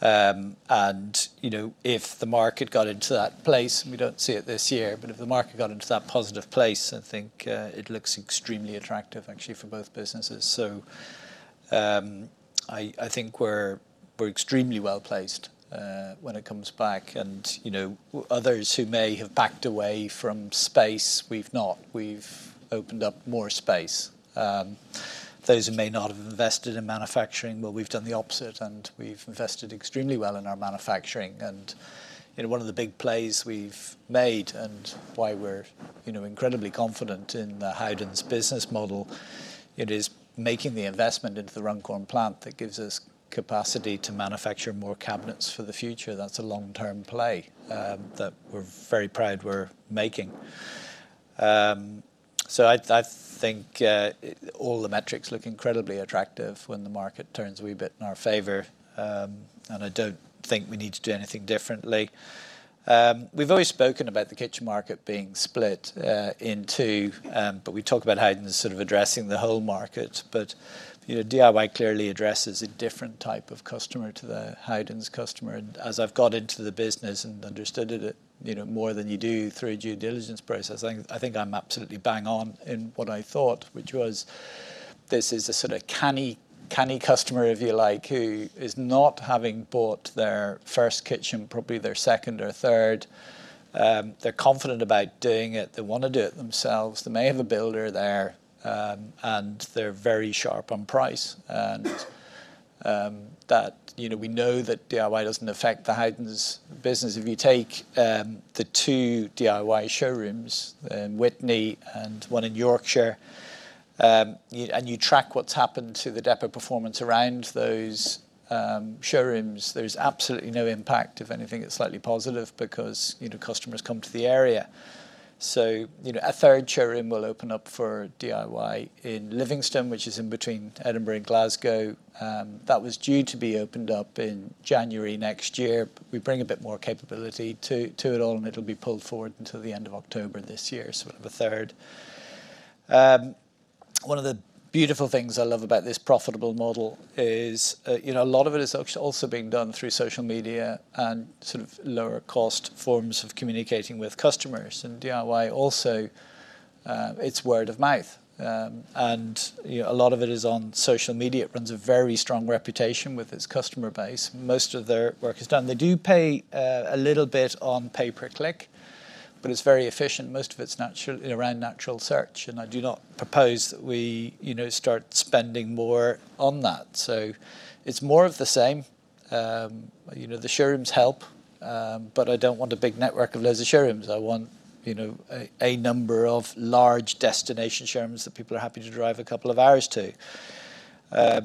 If the market got into that place, and we don't see it this year, but if the market got into that positive place, I think it looks extremely attractive actually for both businesses. I think we're extremely well-placed when it comes back and others who may have backed away from space, we've not. We've opened up more space. Those who may not have invested in manufacturing, well, we've done the opposite, and we've invested extremely well in our manufacturing. One of the big plays we've made, and why we're incredibly confident in the Howden's business model, it is making the investment into the Runcorn plant that gives us capacity to manufacture more cabinets for the future. That's a long-term play that we're very proud we're making. I think all the metrics look incredibly attractive when the market turns a wee bit in our favor, and I don't think we need to do anything differently. We've always spoken about the kitchen market being split in two, but we talk about Howden as sort of addressing the whole market. DIY clearly addresses a different type of customer to the Howden customer. As I've got into the business and understood it more than you do through a due diligence process, I think I'm absolutely bang on in what I thought, which was this is a sort of canny customer, if you like, who is not having bought their first kitchen, probably their second or third. They're confident about doing it. They want to do it themselves. They may have a builder there, and they're very sharp on price. We know that DIY doesn't affect the Howden business. If you take the two DIY showrooms in Witney and one in Yorkshire, and you track what's happened to the depot performance around those showrooms, there is absolutely no impact. If anything, it's slightly positive because customers come to the area. A third showroom will open up for DIY in Livingston, which is in between Edinburgh and Glasgow. That was due to be opened up in January next year. We bring a bit more capability to it all, and it'll be pulled forward until the end of October this year, so we have a third. One of the beautiful things I love about this profitable model is a lot of it is also being done through social media and sort of lower cost forms of communicating with customers. DIY also, it's word of mouth. A lot of it is on social media. It runs a very strong reputation with its customer base. Most of their work is done. They do pay a little bit on pay per click, but it's very efficient. Most of it's around natural search, and I do not propose that we start spending more on that. It's more of the same. The showrooms help, but I don't want a big network of loads of showrooms. I want a number of large destination showrooms that people are happy to drive a couple of hours to. I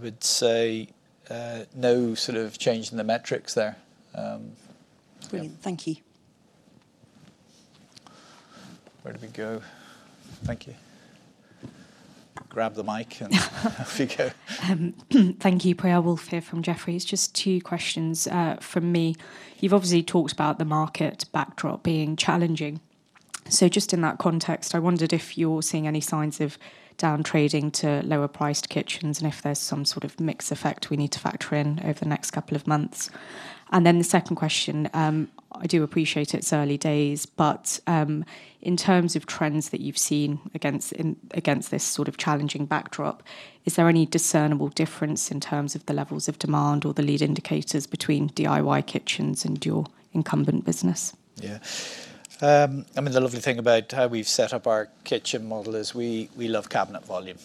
would say no change in the metrics there. Brilliant. Thank you. Where do we go? Thank you. Grab the mic and off you go. Thank you, Priyal Woolf here from Jefferies. Just two questions from me. You've obviously talked about the market backdrop being challenging. Just in that context, I wondered if you're seeing any signs of down trading to lower priced kitchens and if there's some sort of mix effect we need to factor in over the next couple of months. The second question, I do appreciate it's early days, but in terms of trends that you've seen against this sort of challenging backdrop, is there any discernible difference in terms of the levels of demand or the lead indicators between DIY Kitchens and your incumbent business? I mean, the lovely thing about how we've set up our kitchen model is we love cabinet volume.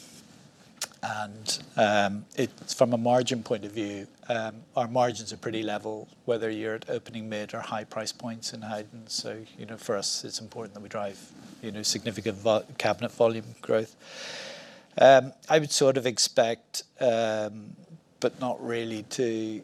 From a margin point of view, our margins are pretty level, whether you're at opening mid or high price points in Howden. For us, it's important that we drive significant cabinet volume growth. I would sort of expect, but not really to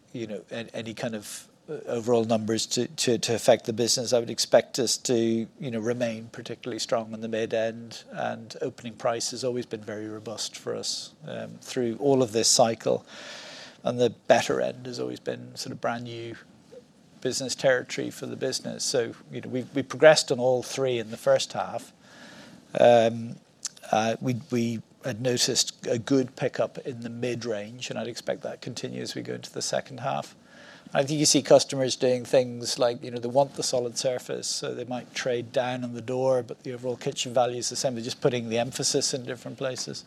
any kind of overall numbers to affect the business. I would expect us to remain particularly strong in the mid end, and opening price has always been very robust for us through all of this cycle. The better end has always been brand new business territory for the business. We progressed on all three in the first half. We had noticed a good pickup in the mid-range, and I'd expect that continue as we go into the second half. I think you see customers doing things like they want the solid surface, they might trade down on the door, but the overall kitchen value is the same. They're just putting the emphasis in different places.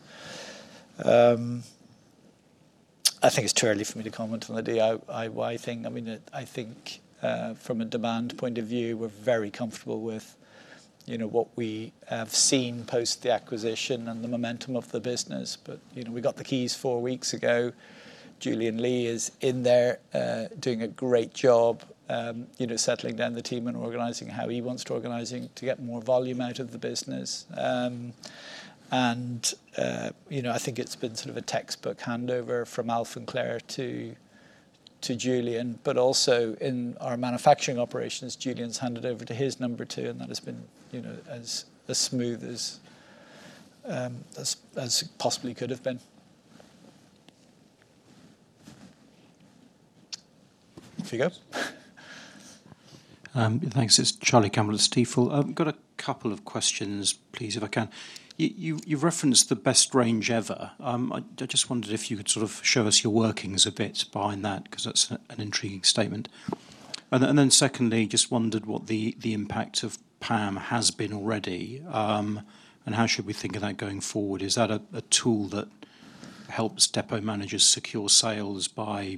I think it's too early for me to comment on the DIY thing. I think from a demand point of view, we're very comfortable with what we have seen post the acquisition and the momentum of the business. We got the keys four weeks ago. Julian Lee is in there doing a great job settling down the team and organizing how he wants to get more volume out of the business. I think it's been sort of a textbook handover from Alf and Clare to Julian, also in our manufacturing operations, Julian's handed over to his number two, that has been as smooth as possibly could have been. Off you go. Thanks. It's Charlie Campbell at Stifel. I've got a couple of questions, please, if I can. You referenced the best range ever. I just wondered if you could show us your workings a bit behind that because that's an intriguing statement. Secondly, just wondered what the impact of PAM has been already and how should we think of that going forward? Is that a tool that helps depot managers secure sales by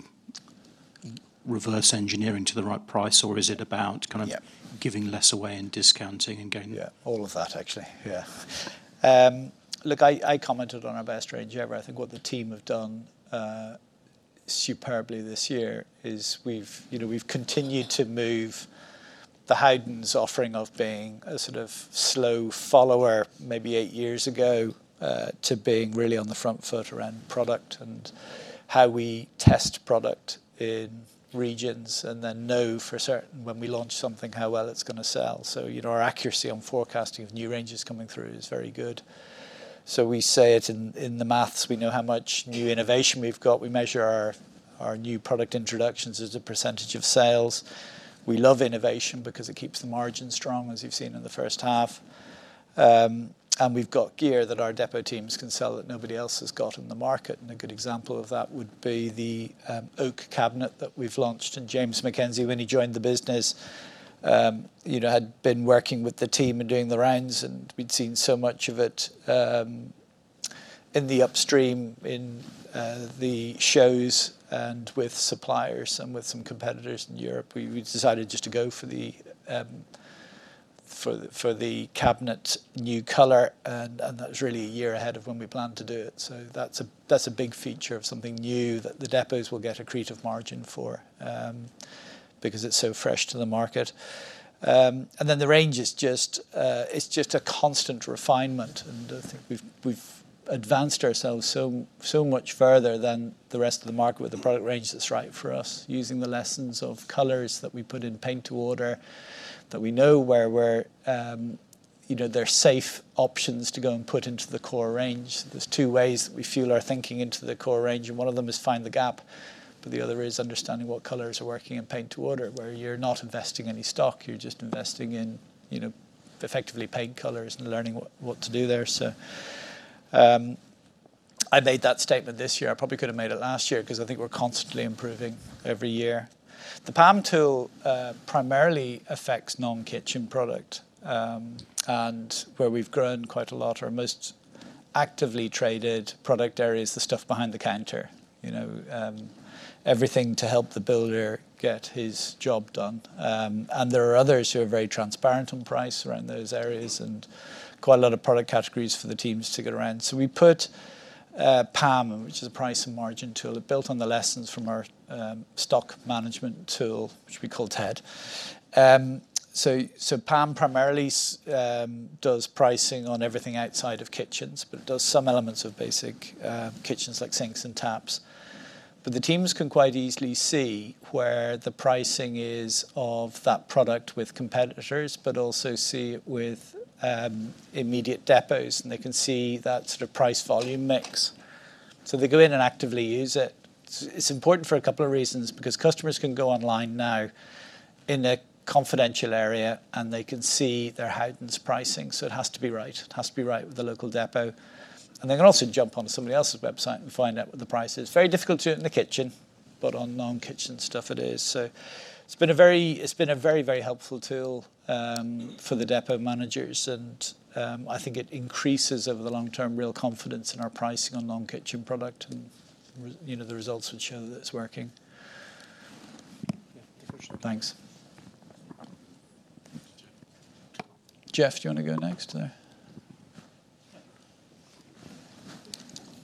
reverse engineering to the right price, or is it about- Yeah. giving less away and discounting and going Yeah. All of that, actually. Yeah. Look, I commented on our best range ever. I think what the team have done superbly this year is we've continued to move the Howden offering of being a sort of slow follower maybe eight years ago, to being really on the front foot around product and how we test product in regions, and then know for certain when we launch something, how well it's going to sell. Our accuracy on forecasting of new ranges coming through is very good. We say it in the maths, we know how much new innovation we've got. We measure our new product introductions as a percentage of sales. We love innovation because it keeps the margin strong, as you've seen in the first half. We've got gear that our depot teams can sell that nobody else has got in the market. A good example of that would be the oak cabinet that we've launched. James Mackenzie, when he joined the business, had been working with the team and doing the rounds, and we'd seen so much of it in the upstream, in the shows, and with suppliers and with some competitors in Europe. We decided just to go for the cabinet new color, and that was really a year ahead of when we planned to do it. That's a big feature of something new that the depots will get accretive margin for, because it's so fresh to the market. The range is just a constant refinement. I think we've advanced ourselves so much further than the rest of the market with the product range that's right for us, using the lessons of colors that we put in paint to order, that we know where they're safe options to go and put into the core range. There's two ways that we fuel our thinking into the core range, and one of them is find the gap, but the other is understanding what colors are working in paint to order, where you're not investing any stock, you're just investing in effectively paint colors and learning what to do there. I made that statement this year. I probably could have made it last year because I think we're constantly improving every year. The PAM tool primarily affects non-kitchen product, where we've grown quite a lot are our most actively traded product areas, the stuff behind the counter. Everything to help the builder get his job done. There are others who are very transparent on price around those areas and quite a lot of product categories for the teams to get around. We put PAM, which is a price and margin tool. It built on the lessons from our stock management tool, which we call [TED]. PAM primarily does pricing on everything outside of kitchens, but it does some elements of basic kitchens like sinks and taps. The teams can quite easily see where the pricing is of that product with competitors, but also see it with immediate depots, and they can see that sort of price volume mix. They go in and actively use it. It's important for a couple of reasons, because customers can go online now in a confidential area and they can see their Howden pricing. It has to be right. It has to be right with the local depot. They can also jump on somebody else's website and find out what the price is. Very difficult to do it in the kitchen, but on non-kitchen stuff it is. It's been a very, very helpful tool for the depot managers and I think it increases over the long term real confidence in our pricing on non-kitchen product and the results would show that it's working. Yeah. Good question. Thanks. [Geoff], do you want to go next there?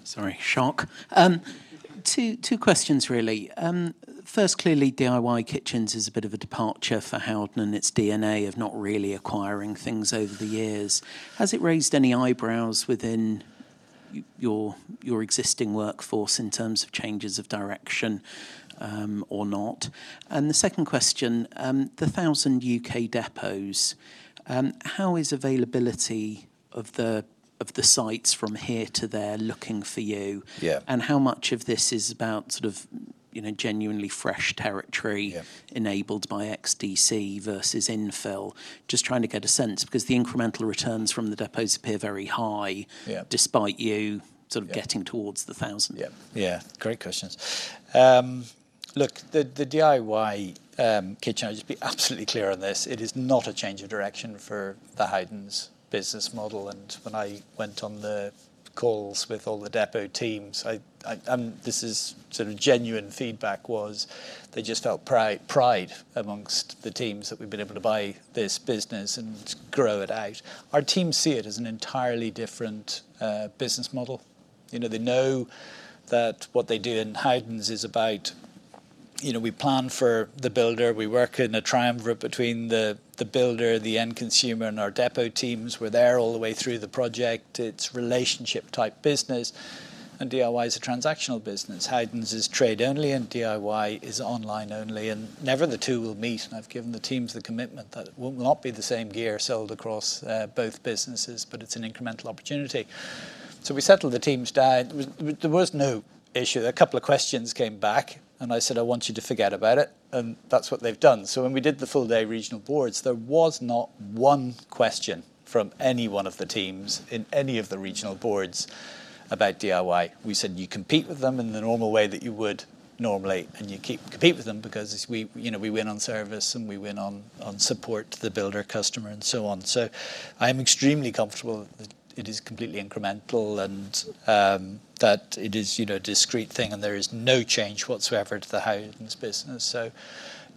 Sorry. Shock. Two questions really. First, clearly DIY Kitchens is a bit of a departure for Howden and its DNA of not really acquiring things over the years. Has it raised any eyebrows within your existing workforce in terms of changes of direction or not? The second question, the 1,000 U.K. depots, how is availability of the sites from here to there looking for you? Yeah. How much of this is about genuinely fresh territory? Yeah. enabled by XDC versus infill? Just trying to get a sense because the incremental returns from the depots appear very high. Yeah. Despite you sort of getting towards the 1,000. Yeah. Great questions. Look, the DIY Kitchens, I'll just be absolutely clear on this. It is not a change of direction for the Howden's business model, and when I went on the calls with all the depot teams, this is sort of genuine feedback, was they just felt pride amongst the teams that we've been able to buy this business and grow it out. Our teams see it as an entirely different business model. They know that what they do in Howden is about we plan for the builder, we work in a triumvirate between the builder, the end consumer, and our depot teams. We're there all the way through the project. It's relationship type business and DIY is a transactional business. Howden is trade only and DIY is online only and never the two will meet. I've given the teams the commitment that it will not be the same gear sold across both businesses, but it's an incremental opportunity. We settled the teams down. There was no issue there. A couple of questions came back and I said, "I want you to forget about it." That's what they've done. When we did the full day regional boards, there was not one question from any one of the teams in any of the regional boards about DIY. We said you compete with them in the normal way that you would normally, and you compete with them because we win on service and we win on support to the builder customer and so on. I am extremely comfortable that it is completely incremental and that it is a discrete thing and there is no change whatsoever to the Howden business.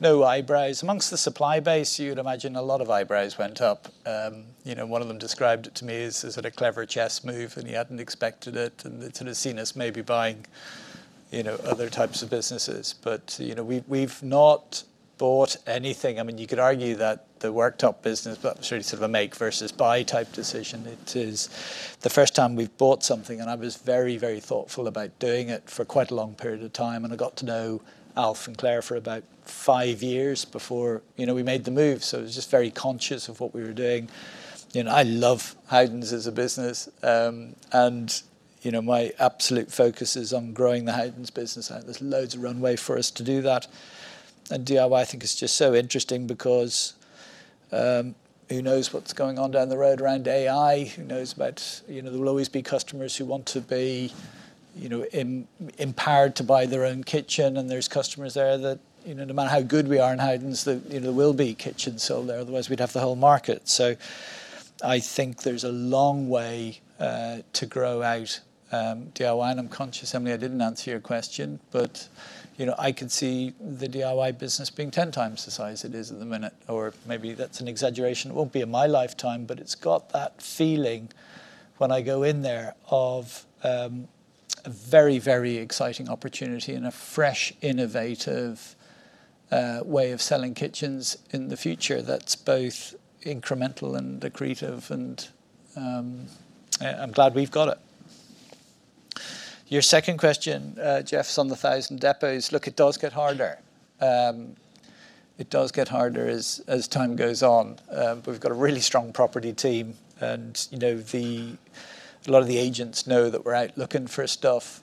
No eyebrows. Amongst the supply base, you would imagine a lot of eyebrows went up. One of them described it to me as a clever chess move, and he hadn't expected it and sort of seen us maybe buying other types of businesses. We've not bought anything. You could argue that the worktop business, but that's really sort of a make versus buy type decision. It is the first time we've bought something, and I was very thoughtful about doing it for quite a long period of time, and I got to know Alf and Clare for about five years before we made the move. It was just very conscious of what we were doing. I love Howden as a business. My absolute focus is on growing the Howden business, and there's loads of runway for us to do that. DIY, I think, is just so interesting because who knows what's going on down the road around AI, who knows? There will always be customers who want to be empowered to buy their own kitchen, and there's customers there that no matter how good we are in Howden, there will be kitchens sold there, otherwise we'd have the whole market. I think there's a long way to grow out DIY. I'm conscious, Emily, I didn't answer your question, but I could see the DIY business being 10 times the size it is at the minute, or maybe that's an exaggeration. It won't be in my lifetime, but it's got that feeling when I go in there of a very exciting opportunity and a fresh, innovative way of selling kitchens in the future that's both incremental and accretive and I'm glad we've got it. Your second question, [Geoff], is on the 1,000 depots. Look, it does get harder. It does get harder as time goes on. We've got a really strong property team and a lot of the agents know that we're out looking for stuff.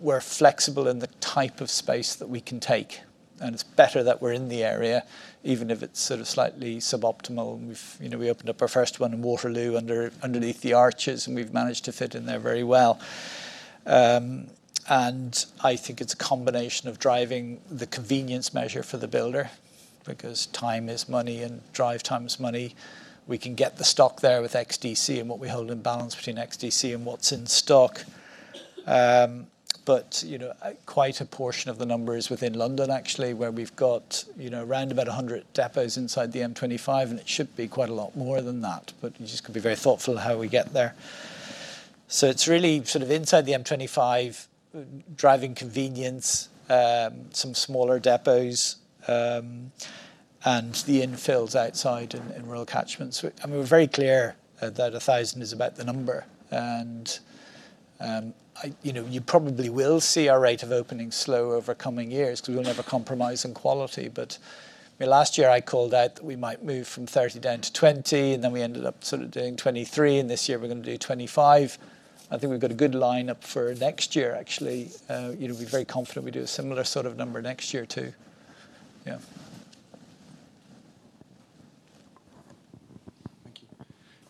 We're flexible in the type of space that we can take, and it's better that we're in the area, even if it's sort of slightly suboptimal. We opened up our first one in Waterloo underneath the arches, and we've managed to fit in there very well. I think it's a combination of driving the convenience measure for the builder, because time is money and drive time is money. We can get the stock there with XDC and what we hold in balance between XDC and what's in stock. Quite a portion of the number is within London actually, where we've got around about 100 depots inside the M25, and it should be quite a lot more than that, but we just got to be very thoughtful how we get there. It's really sort of inside the M25, driving convenience, some smaller depots, and the infills outside in rural catchments. We're very clear that 1,000 is about the number and you probably will see our rate of opening slow over coming years because we'll never compromise on quality. Last year I called out that we might move from 30 down to 20, and we ended up sort of doing 23, and this year we're going to do 25. I think we've got a good line-up for next year, actually. We're very confident we'll do a similar sort of number next year, too. Yeah. Thank you.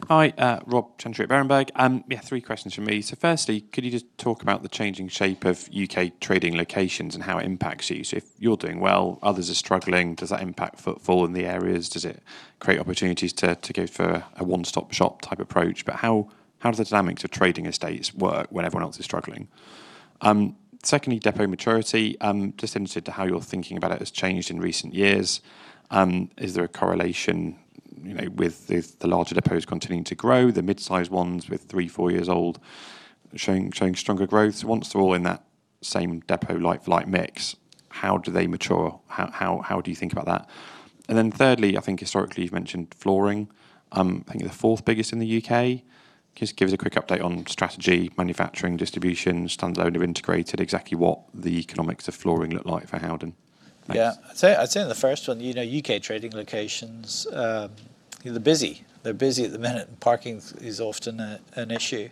Hi, Rob Chantry at Berenberg. Three questions from me. Firstly, could you just talk about the changing shape of U.K. trading locations and how it impacts you? If you're doing well, others are struggling, does that impact footfall in the areas? Does it create opportunities to go for a one-stop shop type approach? How do the dynamics of trading estates work when everyone else is struggling? Secondly, depot maturity, just interested to how your thinking about it has changed in recent years. Is there a correlation with the larger depots continuing to grow, the mid-size ones with three, four years old showing stronger growth? Once they're all in that same depot like-for-like mix, how do they mature? Thirdly, I think historically you've mentioned flooring. I think the fourth biggest in the U.K. Just give us a quick update on strategy, manufacturing, distribution, standalone or integrated, exactly what the economics of flooring look like for Howden. Thanks. Yeah. I'd say on the first one, U.K. trading locations, they're busy. They're busy at the minute. Parking is often an issue,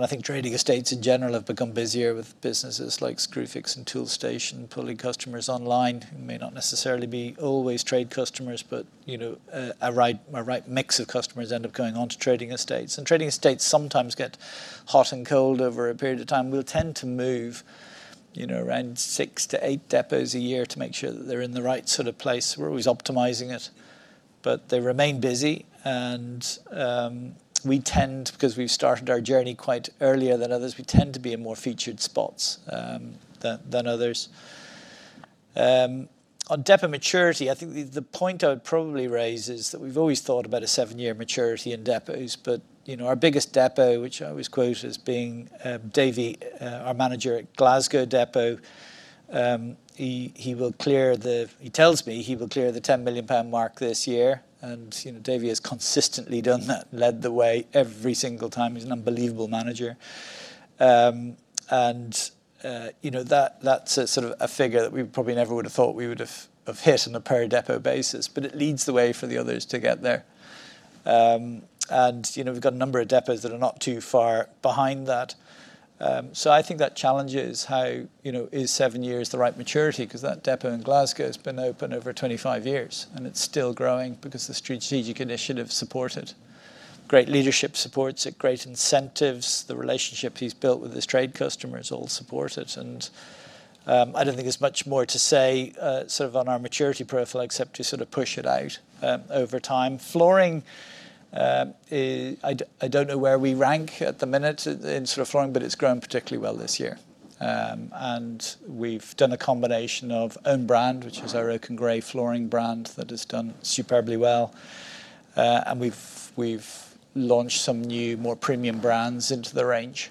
I think trading estates in general have become busier with businesses like Screwfix and Toolstation pulling customers online who may not necessarily be always trade customers, but a right mix of customers end up going onto trading estates. Trading estates sometimes get hot and cold over a period of time. We'll tend to move around six to eight depots a year to make sure that they're in the right sort of place. We're always optimizing it. They remain busy and we tend, because we've started our journey quite earlier than others, we tend to be in more featured spots than others. On depot maturity, I think the point I would probably raise is that we've always thought about a seven-year maturity in depots. Our biggest depot, which I always quote as being Davie, our manager at Glasgow Depot, he tells me he will clear the 10 million pound mark this year. Davie has consistently done that, led the way every single time. He's an unbelievable manager. That's a sort of a figure that we probably never would have thought we would have hit on a per depot basis, but it leads the way for the others to get there. We've got a number of depots that are not too far behind that. I think that challenge is how is seven years the right maturity, because that depot in Glasgow has been open over 25 years and it's still growing because the strategic initiative supports it. Great leadership supports it, great incentives, the relationships he's built with his trade customers all support it, and I don't think there's much more to say sort of on our maturity profile except to sort of push it out over time. Flooring, I don't know where we rank at the minute in sort of flooring, but it's grown particularly well this year. We've done a combination of own brand, which is our Oake & Gray flooring brand that has done superbly well. We've launched some new, more premium brands into the range,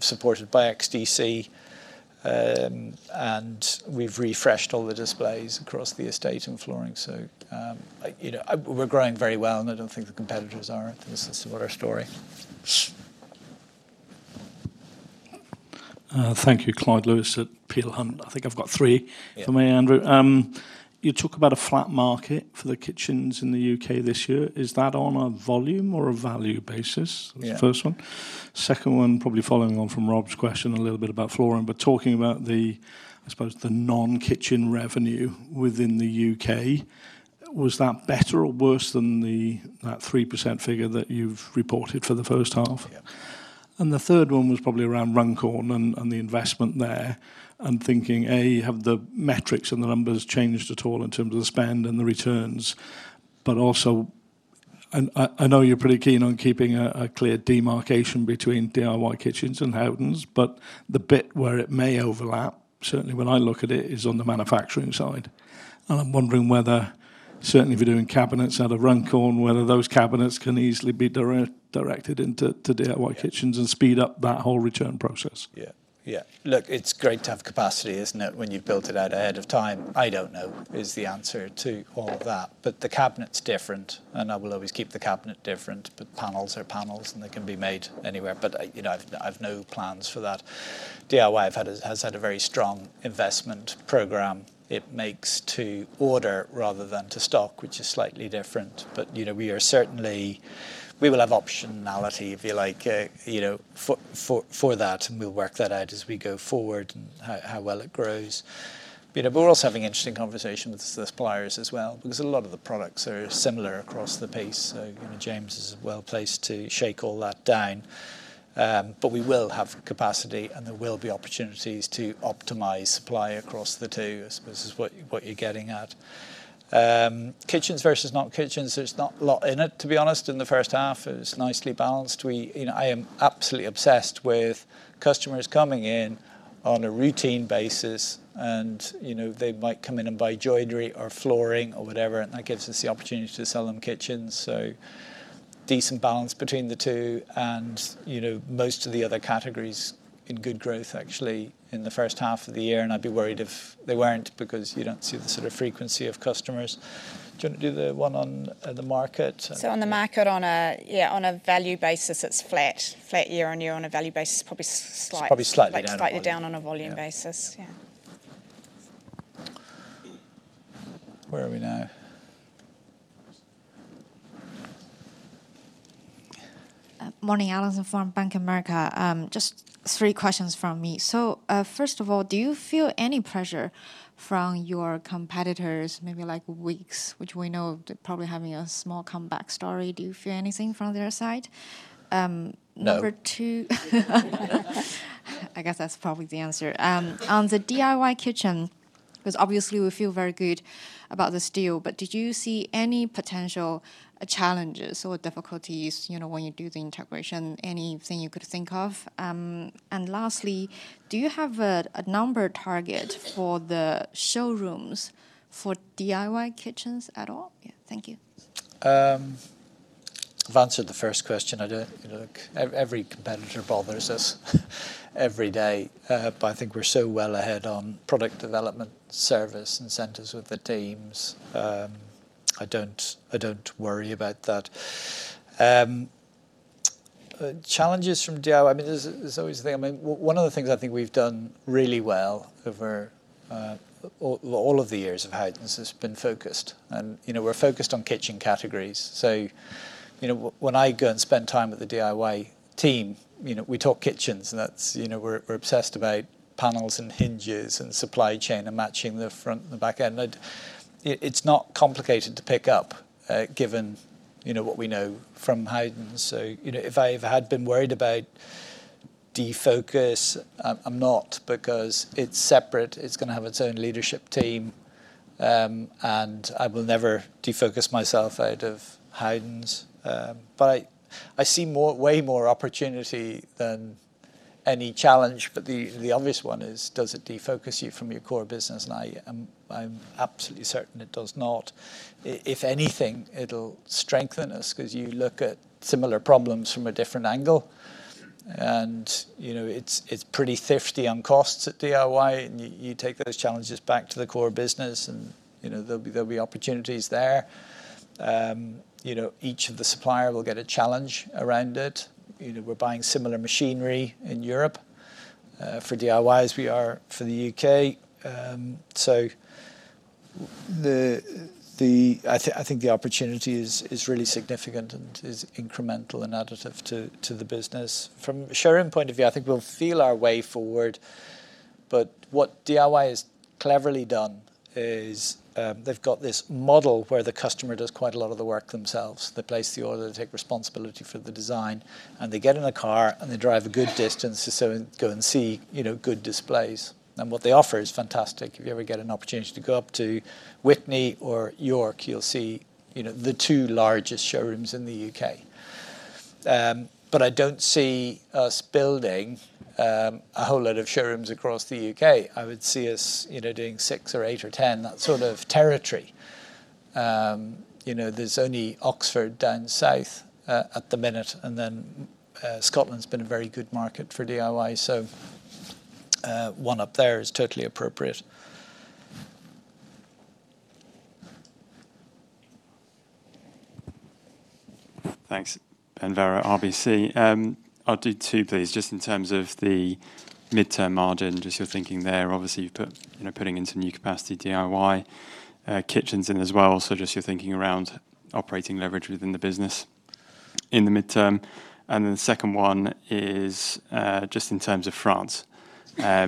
supported by XDC, and we've refreshed all the displays across the estate and flooring. We're growing very well, and I don't think the competitors are at this sort of story. Thank you. Clyde Lewis at Peel Hunt. I think I've got three for me, Andrew. You talk about a flat market for the kitchens in the U.K. this year. Is that on a volume or a value basis? Yeah. That's the first one. Second one, probably following on from Rob's question a little bit about flooring, but talking about the, I suppose, the non-kitchen revenue within the U.K., was that better or worse than that 3% figure that you've reported for the first half? Yeah. The third one was probably around Runcorn and the investment there. I'm thinking, A, have the metrics and the numbers changed at all in terms of the spend and the returns? Also, I know you're pretty keen on keeping a clear demarcation between DIY Kitchens and Howden, but the bit where it may overlap, certainly when I look at it, is on the manufacturing side. I'm wondering whether, certainly if you're doing cabinets out of Runcorn, whether those cabinets can easily be directed into DIY Kitchens and speed up that whole return process. Yeah. Look, it's great to have capacity, isn't it, when you've built it out ahead of time? I don't know is the answer to all of that. The cabinet's different, and I will always keep the cabinet different, but panels are panels, and they can be made anywhere. I have no plans for that. DIY has had a very strong investment program it makes to order rather than to stock, which is slightly different. We will have optionality, if you like, for that, and we'll work that out as we go forward and how well it grows. We're also having interesting conversations with the suppliers as well, because a lot of the products are similar across the piece. James is well-placed to shake all that down. We will have capacity, and there will be opportunities to optimize supply across the two, I suppose, is what you're getting at. Kitchens versus not kitchens, there's not a lot in it, to be honest, in the first half. It was nicely balanced. I am absolutely obsessed with customers coming in on a routine basis and they might come in and buy joinery or flooring or whatever, and that gives us the opportunity to sell them kitchens. Decent balance between the two, and most of the other categories in good growth, actually, in the first half of the year, and I'd be worried if they weren't, because you don't see the sort of frequency of customers. Do you want to do the one on the market? On the market, on a value basis, it's flat. Flat year-on-year on a value basis, probably It's probably slightly down on volume slightly down on a volume basis. Yeah. Where are we now? Morning. Alison from Bank of America. Just three questions from me. First of all, do you feel any pressure from your competitors, maybe like Wickes, which we know they're probably having a small comeback story? Do you feel anything from their side? No. Number two I guess that's probably the answer. On the DIY Kitchen, because obviously we feel very good about this deal, did you see any potential challenges or difficulties when you do the integration? Anything you could think of? Lastly, do you have a number target for the showrooms for DIY Kitchens at all? Yeah. Thank you. I've answered the first question. Every competitor bothers us every day. I think we're so well ahead on product development, service, incentives with the teams. I don't worry about that. Challenges from DIY, there's always the thing. One of the things I think we've done really well over all of the years of Howden has been focused, we're focused on kitchen categories. When I go and spend time with the DIY team, we talk kitchens and we're obsessed about panels and hinges and supply chain and matching the front and the back end. It's not complicated to pick up given what we know from Howden. If I had been worried about defocus, I'm not because it's separate. It's going to have its own leadership team, and I will never defocus myself out of Howden. I see way more opportunity than any challenge. The obvious one is, does it defocus you from your core business? I'm absolutely certain it does not. If anything, it'll strengthen us because you look at similar problems from a different angle, it's pretty thrifty on costs at DIY, you take those challenges back to the core business and there'll be opportunities there. Each of the supplier will get a challenge around it. We're buying similar machinery in Europe for DIY as we are for the U.K. I think the opportunity is really significant and is incremental and additive to the business. From a showroom point of view, I think we'll feel our way forward. What DIY has cleverly done is they've got this model where the customer does quite a lot of the work themselves. They place the order, they take responsibility for the design, they get in a car and they drive a good distance to go and see good displays. What they offer is fantastic. If you ever get an opportunity to go up to Witney or York, you'll see the two largest showrooms in the U.K. I don't see us building a whole lot of showrooms across the U.K. I would see us doing six or eight or 10, that sort of territory. There's only Oxford down south at the minute, then Scotland's been a very good market for DIY, one up there is totally appropriate. Thanks. Ben Vera, RBC. I'll do two, please. Just in terms of the midterm margin, just your thinking there. Obviously, you're putting in some new capacity, DIY, kitchens in as well. Just your thinking around operating leverage within the business in the midterm. The second one is, just in terms of France. Can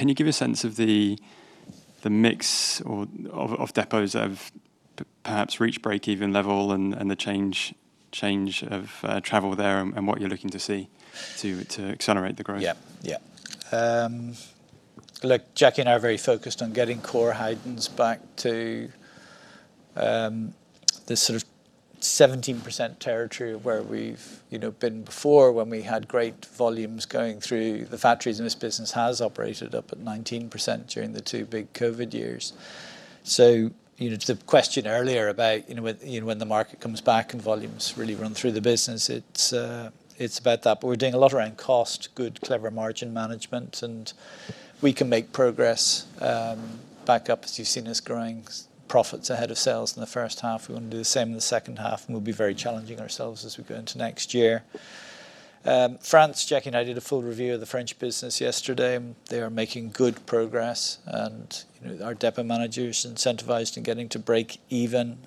you give a sense of the mix of depots that have perhaps reached break-even level and the change of travel there and what you're looking to see to accelerate the growth? Yeah. Look, Jackie and I are very focused on getting core Howden back to this sort of 17% territory of where we've been before when we had great volumes going through the factories, this business has operated up at 19% during the two big COVID years. The question earlier about when the market comes back and volumes really run through the business, it's about that. We're doing a lot around cost, good, clever margin management, we can make progress back up. As you've seen us growing profits ahead of sales in the first half, we want to do the same in the second half, we'll be very challenging ourselves as we go into next year. France, Jackie and I did a full review of the French business yesterday, they are making good progress. Our depot manager is incentivized and getting to break-even.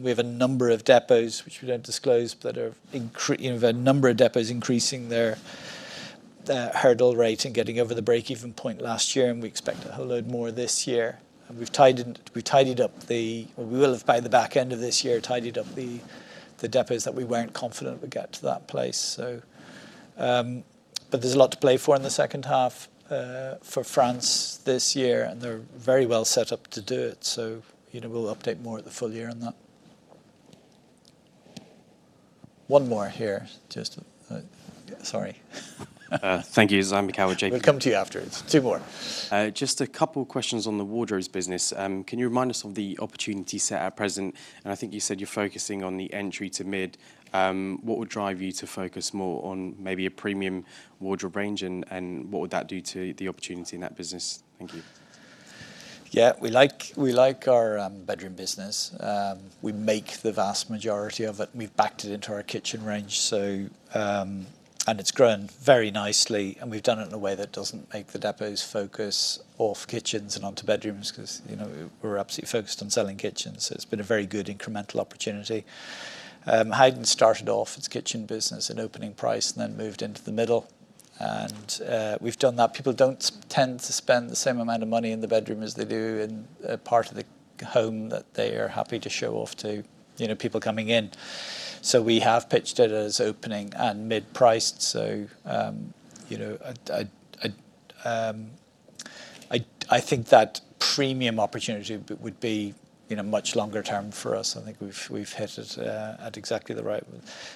We have a number of depots, which we don't disclose, we have a number of depots increasing their hurdle rate and getting over the break-even point last year, we expect a whole load more this year. We will, by the back end of this year, have tidied up the depots that we weren't confident would get to that place. There's a lot to play for in the second half for France this year, they're very well set up to do it. We'll update more at the full year on that. One more here. Sorry. Thank you. [Zarin Patel] from JPMorgan. We'll come to you after. Two more. Just a couple of questions on the wardrobes business. Can you remind us of the opportunity set at present? I think you said you're focusing on the entry to mid. What would drive you to focus more on maybe a premium wardrobe range, and what would that do to the opportunity in that business? Thank you. Yeah, we like our bedroom business. We make the vast majority of it. We've backed it into our kitchen range, and it's grown very nicely, and we've done it in a way that doesn't make the depots focus off kitchens and onto bedrooms because we're absolutely focused on selling kitchens. It's been a very good incremental opportunity. Howden started off its kitchen business at opening price then moved into the middle, and we've done that. People don't tend to spend the same amount of money in the bedroom as they do in a part of the home that they are happy to show off to people coming in. We have pitched it as opening at mid-price. I think that premium opportunity would be much longer term for us. I think we've hit it at exactly the right.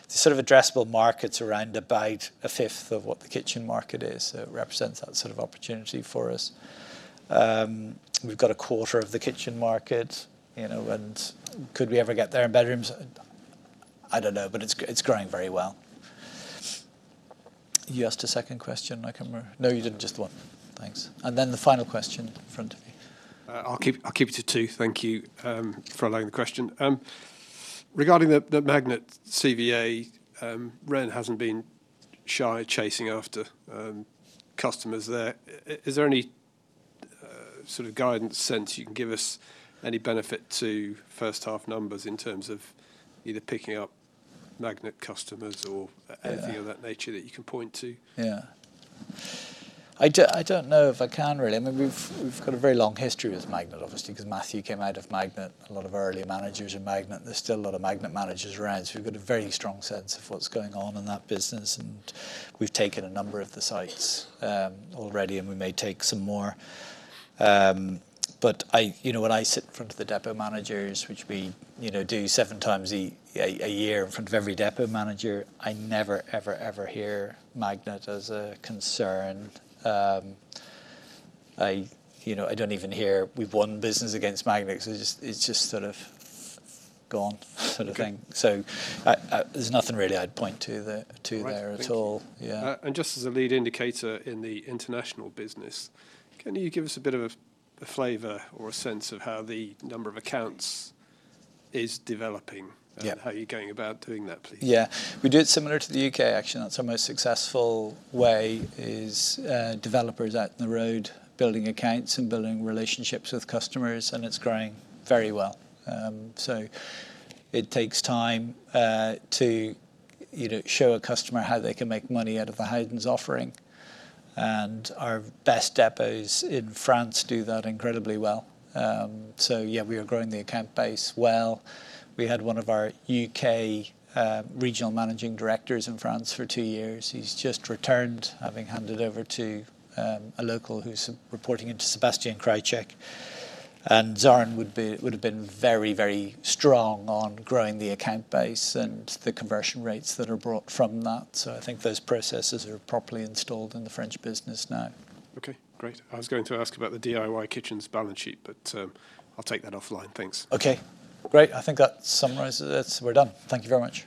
The addressable market's around about a fifth of what the kitchen market is, so it represents that sort of opportunity for us. We've got a quarter of the kitchen market. Could we ever get there in bedrooms? I don't know, but it's growing very well. You asked a second question, I can't remember. No, you didn't. Just the one. Thanks. The final question in front of you. I'll keep it to two. Thank you for allowing the question. Regarding the Magnet CVA, Wren hasn't been shy chasing after customers there. Is there any sort of guidance sense you can give us, any benefit to first half numbers in terms of either picking up Magnet customers or anything of that nature that you can point to? Yeah. I don't know if I can, really. I mean, we've got a very long history with Magnet, obviously, because Matthew came out of Magnet, a lot of our early managers are Magnet. There's still a lot of Magnet managers around. We've got a very strong sense of what's going on in that business, and we've taken a number of the sites already, and we may take some more. When I sit in front of the depot managers, which we do seven times a year in front of every depot manager, I never, ever hear Magnet as a concern. I don't even hear, we've won business against Magnet, because it's just sort of gone, sort of thing. Okay. There's nothing really I'd point to there at all. Right. Thank you. Yeah. Just as a lead indicator in the international business, can you give us a bit of a flavor or a sense of how the number of accounts is developing? Yeah. How you're going about doing that, please? Yeah. We do it similar to the U.K., actually. That's our most successful way, is developers out in the road building accounts and building relationships with customers, and it's growing very well. It takes time to show a customer how they can make money out of a Howden's offering, and our best depots in France do that incredibly well. Yeah, we are growing the account base well. We had one of our U.K. regional managing directors in France for two years. He's just returned, having handed over to a local who's reporting into Sebastian Krysiak. [Zarin] would've been very strong on growing the account base and the conversion rates that are brought from that. I think those processes are properly installed in the French business now. Okay, great. I was going to ask about the DIY Kitchens balance sheet, but I'll take that offline. Thanks. Okay, great. I think that summarizes it. We're done. Thank you very much.